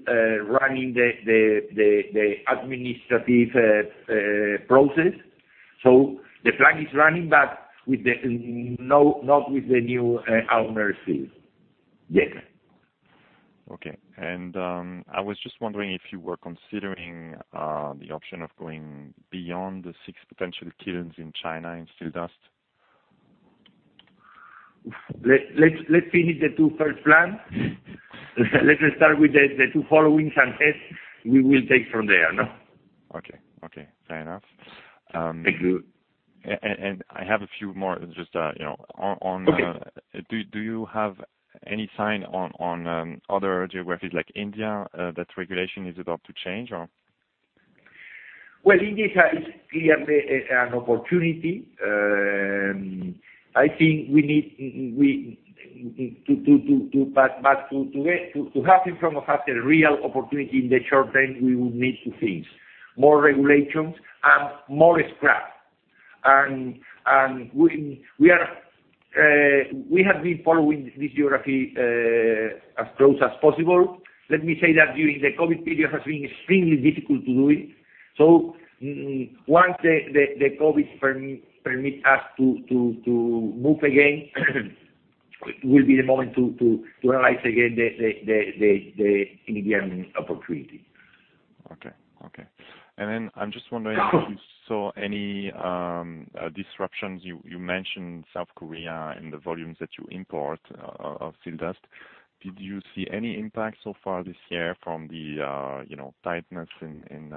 running the administrative process. The plant is running, but not with the new owner fee yet. Okay. I was just wondering if you were considering the option of going beyond the six potential kilns in China, in steel dust? Let's finish the two first plant. Let us start with the two following plants. We will take from there. Okay, fair enough. Thank you. I have a few more. Okay. Do you have any sign on other geographies like India, that regulation is about to change? Well, India is clearly an opportunity. I think, to have a real opportunity in the short term, we would need two things: more regulations and more scrap. We have been following this geography as close as possible. Let me say that during the COVID period, it has been extremely difficult to do it. Once the COVID permits us to move again, it will be the moment to analyze, again, the Indian opportunity. Okay. I'm just wondering if you saw any disruptions, you mentioned South Korea and the volumes that you import of steel dust. Did you see any impact so far this year from the tightness in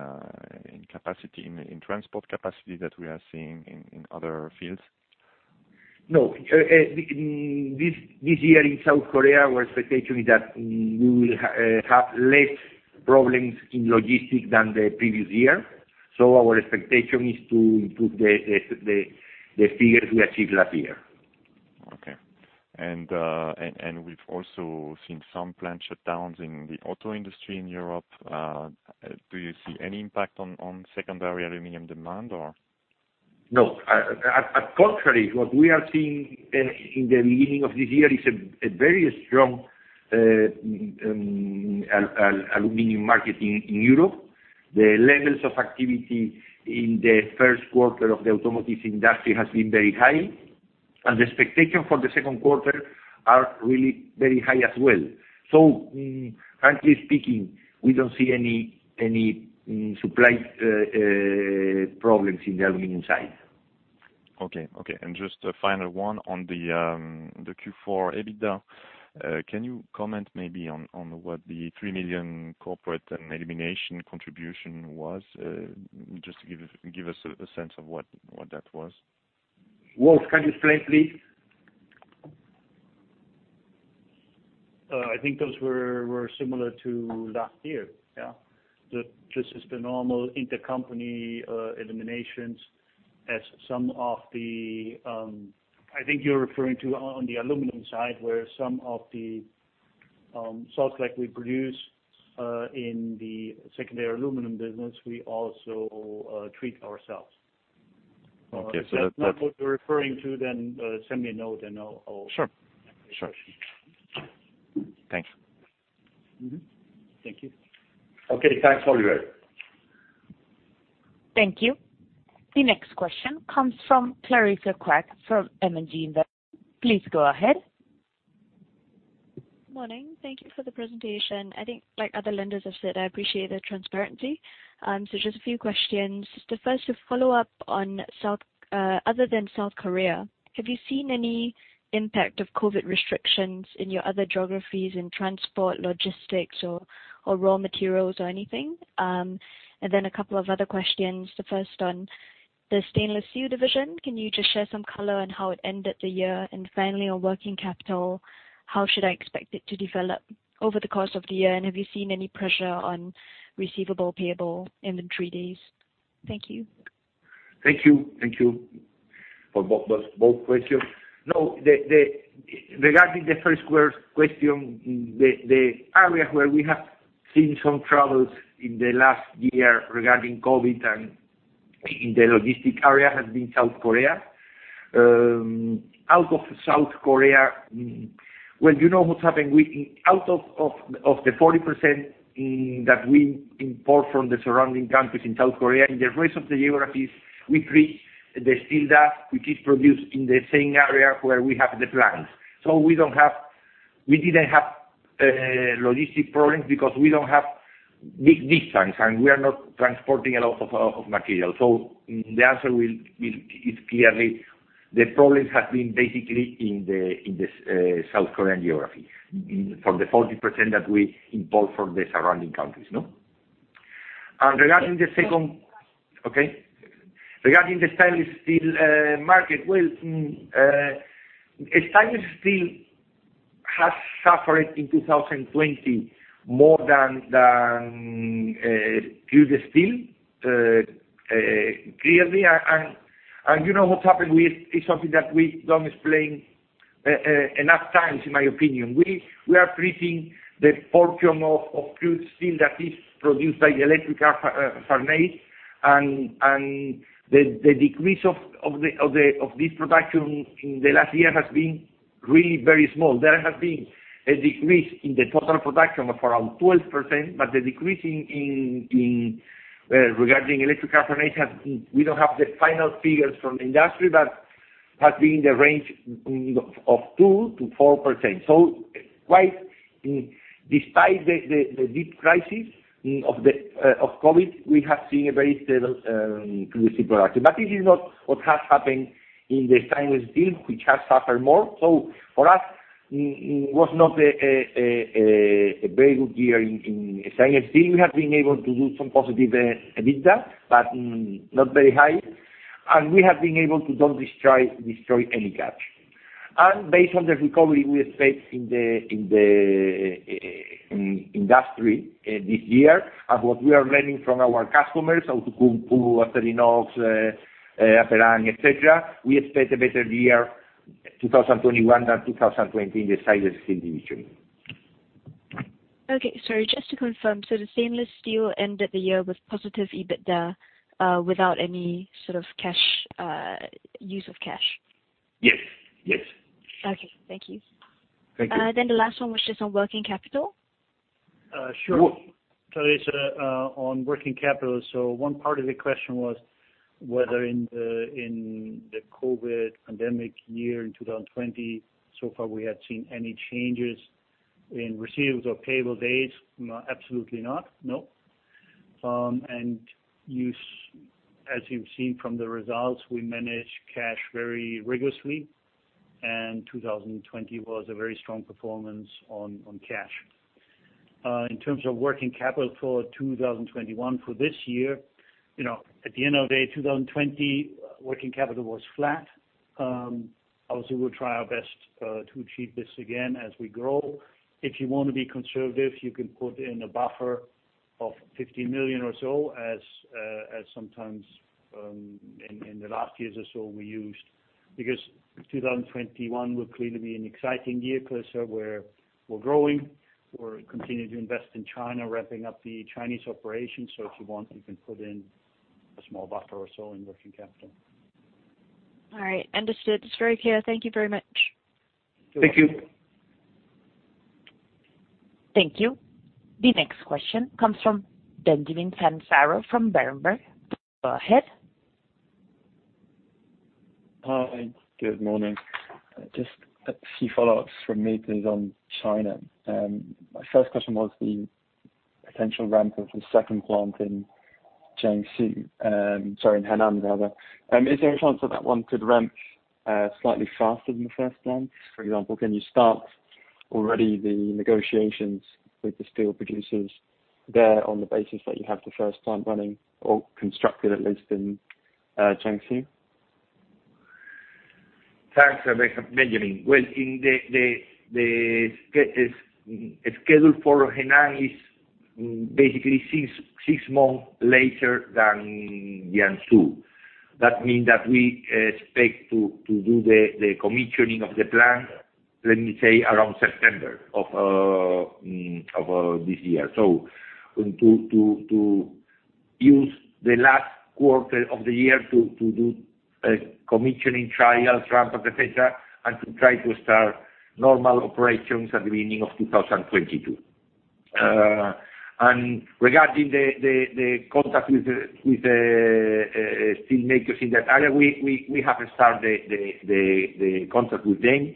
transport capacity that we are seeing in other fields? No. This year in South Korea, our expectation is that we will have less problems in logistics than the previous year. Our expectation is to improve the figures we achieved last year. Okay. We've also seen some plant shutdowns in the auto industry in Europe. Do you see any impact on secondary aluminum demand or? No. Contrary, what we are seeing in the beginning of this year is a very strong aluminum market in Europe. The levels of activity in the first quarter of the automotive industry has been very high. The expectation for the second quarter are really very high as well. Frankly speaking, we don't see any supply problems in the aluminum side. Okay. Just a final one on the Q4 EBITDA. Can you comment maybe on what the 3 million corporate elimination contribution was? Just give us a sense of what that was. Wolf, can you explain, please? I think those were similar to last year. Yeah. Just as the normal intercompany eliminations, I think you're referring to on the aluminum side, where some of the salt that we produce in the secondary aluminum business, we also treat ourselves. Okay. If that's not what you're referring to, then send me a note. Sure. Thanks. Mm-hmm. Thank you. Okay. Thanks for. Thank you. The next question comes from Clarissa Quek from M&G Investments. Please go ahead. Morning. Thank you for the presentation. I think like other lenders have said, I appreciate the transparency. Just a few questions. The first, a follow-up on, other than South Korea, have you seen any impact of COVID restrictions in your other geographies, in transport, logistics, or raw materials or anything? A couple of other questions. The first on the Stainless Steel division. Can you just share some color on how it ended the year? Finally, on working capital, how should I expect it to develop over the course of the year, and have you seen any pressure on receivable, payable, inventory days? Thank you. Thank you for both questions. Regarding the first question, the area where we have seen some troubles in the last year regarding COVID and in the logistic area has been South Korea. Out of South Korea, well, you know what's happened; out of the 40% that we import from the surrounding countries in South Korea, in the rest of the geographies, we treat the steel dust, which is produced in the same area where we have the plants. We didn't have logistic problems because we don't have big distance, and we are not transporting a lot of material. The answer is clearly the problems have been basically in the South Korean geography for the 40% that we import from the surrounding countries, no? Okay. Regarding the stainless steel market, well, stainless steel has suffered in 2020 more than crude steel, clearly. You know what happened with, it's something that we don't explain enough times in my opinion. We are treating the portion of crude steel that is produced by the electric arc furnace, the decrease of this production in the last year has been really very small. There has been a decrease in the total production of around 12%. The decrease regarding electric arc furnace, we don't have the final figures from the industry, but has been in the range of 2%-4%. Despite the deep crisis of COVID, we have seen a very stable inclusive production. This is not what has happened in the stainless steel, which has suffered more. For us, it was not a very good year in stainless steel. We have been able to do some positive EBITDA, but not very high. We have been able to not destroy any cash. Based on the recovery we expect in the industry this year, and what we are learning from our customers, Outokumpu, Acerinox, Aperam, et cetera, we expect a better year 2021 than 2020 in the stainless steel division. Okay. Sorry, just to confirm, the stainless steel ended the year with positive EBITDA, without any use of cash? Yes. Okay, thank you. Thank you. The last one was just on working capital. Sure. Clarissa, on working capital, one part of the question was whether in the COVID pandemic year, in 2020, so far, we had seen any changes in receivables or payable days. No, absolutely not. No. As you've seen from the results, we manage cash very rigorously, and 2020 was a very strong performance on cash. In terms of working capital for 2021, for this year, at the end of the day, 2020, working capital was flat. We'll try our best to achieve this again as we grow. If you want to be conservative, you can put in a buffer of 50 million or so as sometimes, in the last years or so, we used. 2021 will clearly be an exciting year, Clarissa, where we're growing, we're continuing to invest in China, ramping up the Chinese operations. If you want, you can put in a small buffer or so in working capital. All right, understood. It's very clear. Thank you very much. You're welcome. Thank you. Thank you. The next question comes from Benjamin Pfannes-Varrow from Berenberg. Go ahead. Hi. Good morning. Just a few follow-ups from me, this is on China. My first question was the potential ramp of the second plant in Jiangsu, sorry, in Henan, rather. Is there a chance that that one could ramp slightly faster than the first plant? For example, can you start already the negotiations with the steel producers there on the basis that you have the first plant running or constructed at least in Jiangsu? Thanks, Benjamin. Well, the schedule for Henan is basically six months later than Jiangsu. That means that we expect to do the commissioning of the plant, let me say, around September of this year. To use the last quarter of the year to do a commissioning trial, ramp up, et cetera, and to try to start normal operations at the beginning of 2022. Regarding the contact with the steel makers in that area, we haven't start the contract with them.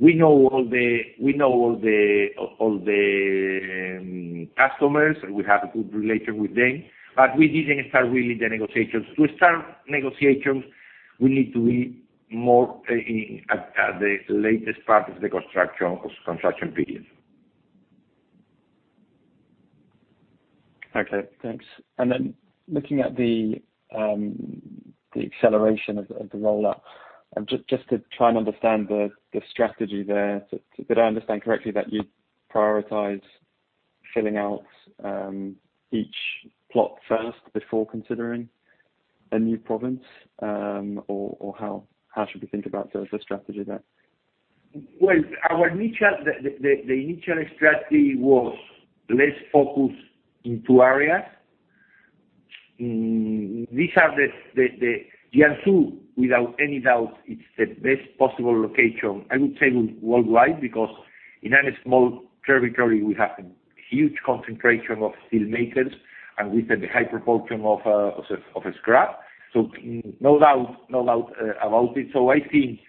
We know all the customers, we have a good relation with them, but we didn't start really the negotiations. To start negotiations, we need to be more at the latest part of the construction period. Okay, thanks. Looking at the acceleration of the rollout, just to try and understand the strategy there, did I understand correctly that you prioritize filling out each plot first before considering a new province? How should we think about the strategy there? The initial strategy was let's focus in two areas. Jiangsu, without any doubt, it's the best possible location, I would say, worldwide, because in any small territory we have huge concentration of steel makers, and with a high proportion of scrap. No doubt about it. I think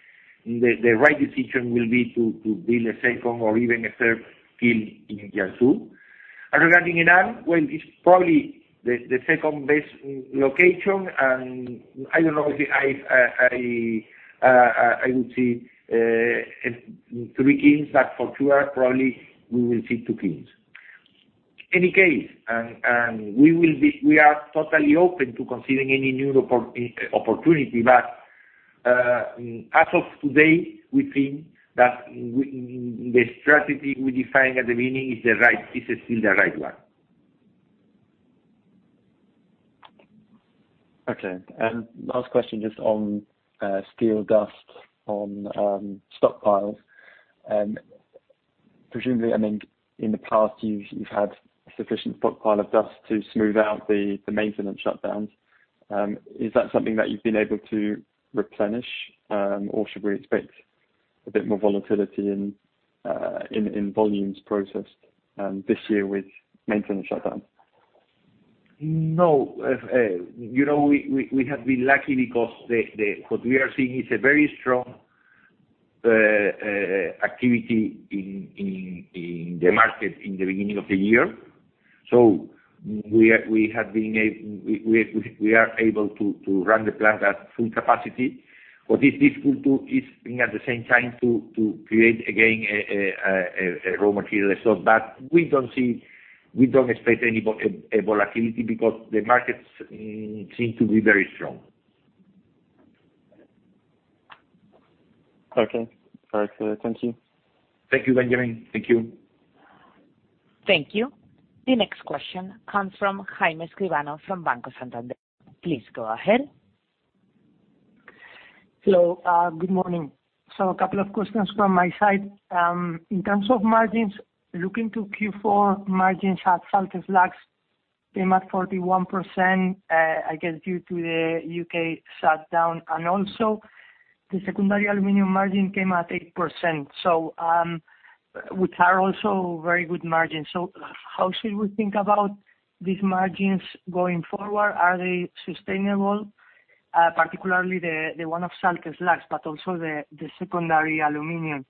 the right decision will be to build a second or even a third steel in Jiangsu. Regarding Henan, well, it's probably the second-best location, and I don't know, obviously, I would see three teams, but for two, probably we will see two teams. Any case, we are totally open to considering any new opportunity. As of today, we think that the strategy we defined at the beginning is still the right one. Okay. Last question just on steel dust on stockpiles. Presumably, in the past, you've had sufficient stockpile of dust to smooth out the maintenance shutdowns. Is that something that you've been able to replenish, or should we expect a bit more volatility in volumes processed this year with maintenance shutdown? No. We have been lucky because what we are seeing is a very strong activity in the market in the beginning of the year. We are able to run the plant at full capacity. What is difficult is, at the same time, to create, again, a raw material. We don't expect any volatility because the markets seem to be very strong. Okay, perfect. Thank you. Thank you, Benjamin. Thank you. Thank you. The next question comes from Jaime Escribano, from Banco Santander. Please go ahead. Hello, good morning. A couple of questions from my side. In terms of margins, looking to Q4 margins at salt slags came at 41%, I guess, due to the U.K. shutdown, and also the secondary aluminum margin came at 8%, which are also very good margins. How should we think about these margins going forward? Are they sustainable? Particularly the one of salt slags, but also the secondary aluminum.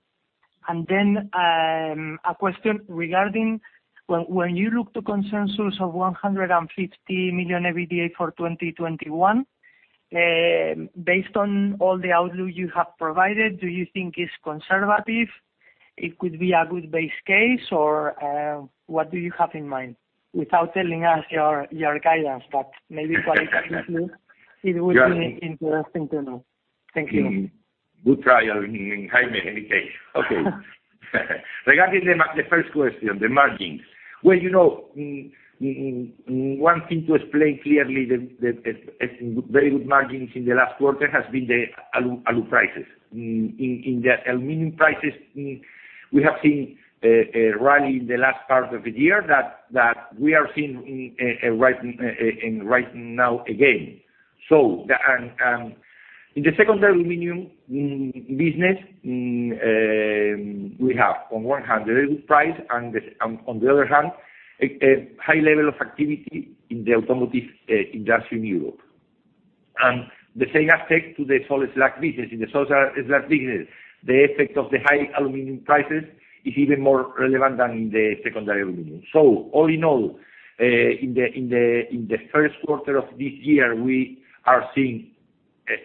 A question regarding, when you look to consensus of 150 million EBITDA for 2021, based on all the outlook you have provided, do you think it's conservative? It could be a good base case, or what do you have in mind? Without telling us your guidance, it would be interesting to know. Thank you. Good trial, Jaime, in any case. Okay, regarding the first question, the margins. One thing to explain clearly the very good margins in the last quarter has been the alu prices. In the aluminum prices, we have seen a rally in the last part of the year that we are seeing right now again. In the secondary aluminum business, we have, on one hand, the alu price, and on the other hand, a high level of activity in the automotive industry in Europe. The same aspect to the salt slag business. In the salt slag business, the effect of the high aluminum prices is even more relevant than in the secondary aluminum. All in all, in the first quarter of this year, we are seeing,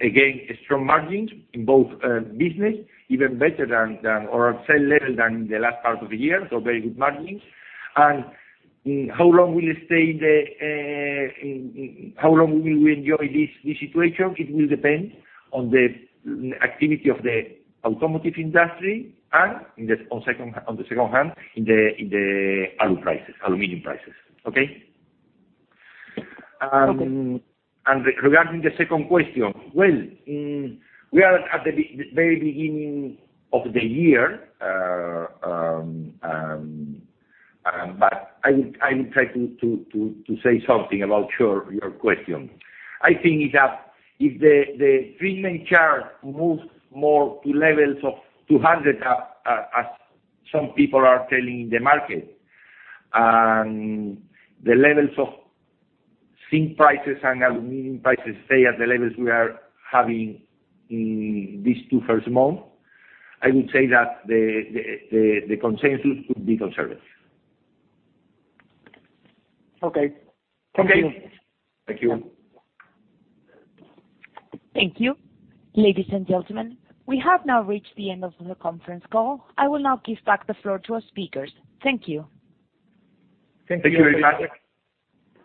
again, strong margins in both business, even better than, or at same level than in the last part of the year. Very good margins. How long will we enjoy this situation? It will depend on the activity of the automotive industry and, on the second hand, in the alu prices, aluminum prices. Okay? Okay. Regarding the second question. Well, we are at the very beginning of the year, but I will try to say something about your question. I think that if the treatment charge moves more to levels of 200 as some people are telling the market, and the levels of zinc prices and aluminum prices stay at the levels we are having in these two first months, I would say that the consensus could be conservative. Okay, thank you. Thank you. Thank you. Ladies and gentlemen, we have now reached the end of the conference call. I will now give back the floor to our speakers. Thank you. Thank you very much.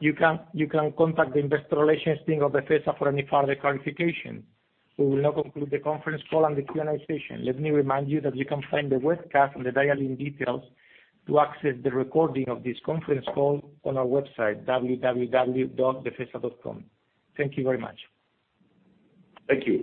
You can contact the investor relations team of Befesa for any further clarification. We will now conclude the conference call and the Q&A session. Let me remind you that you can find the webcast and the dial-in details to access the recording of this conference call on our website, www.befesa.com. Thank you very much. Thank you.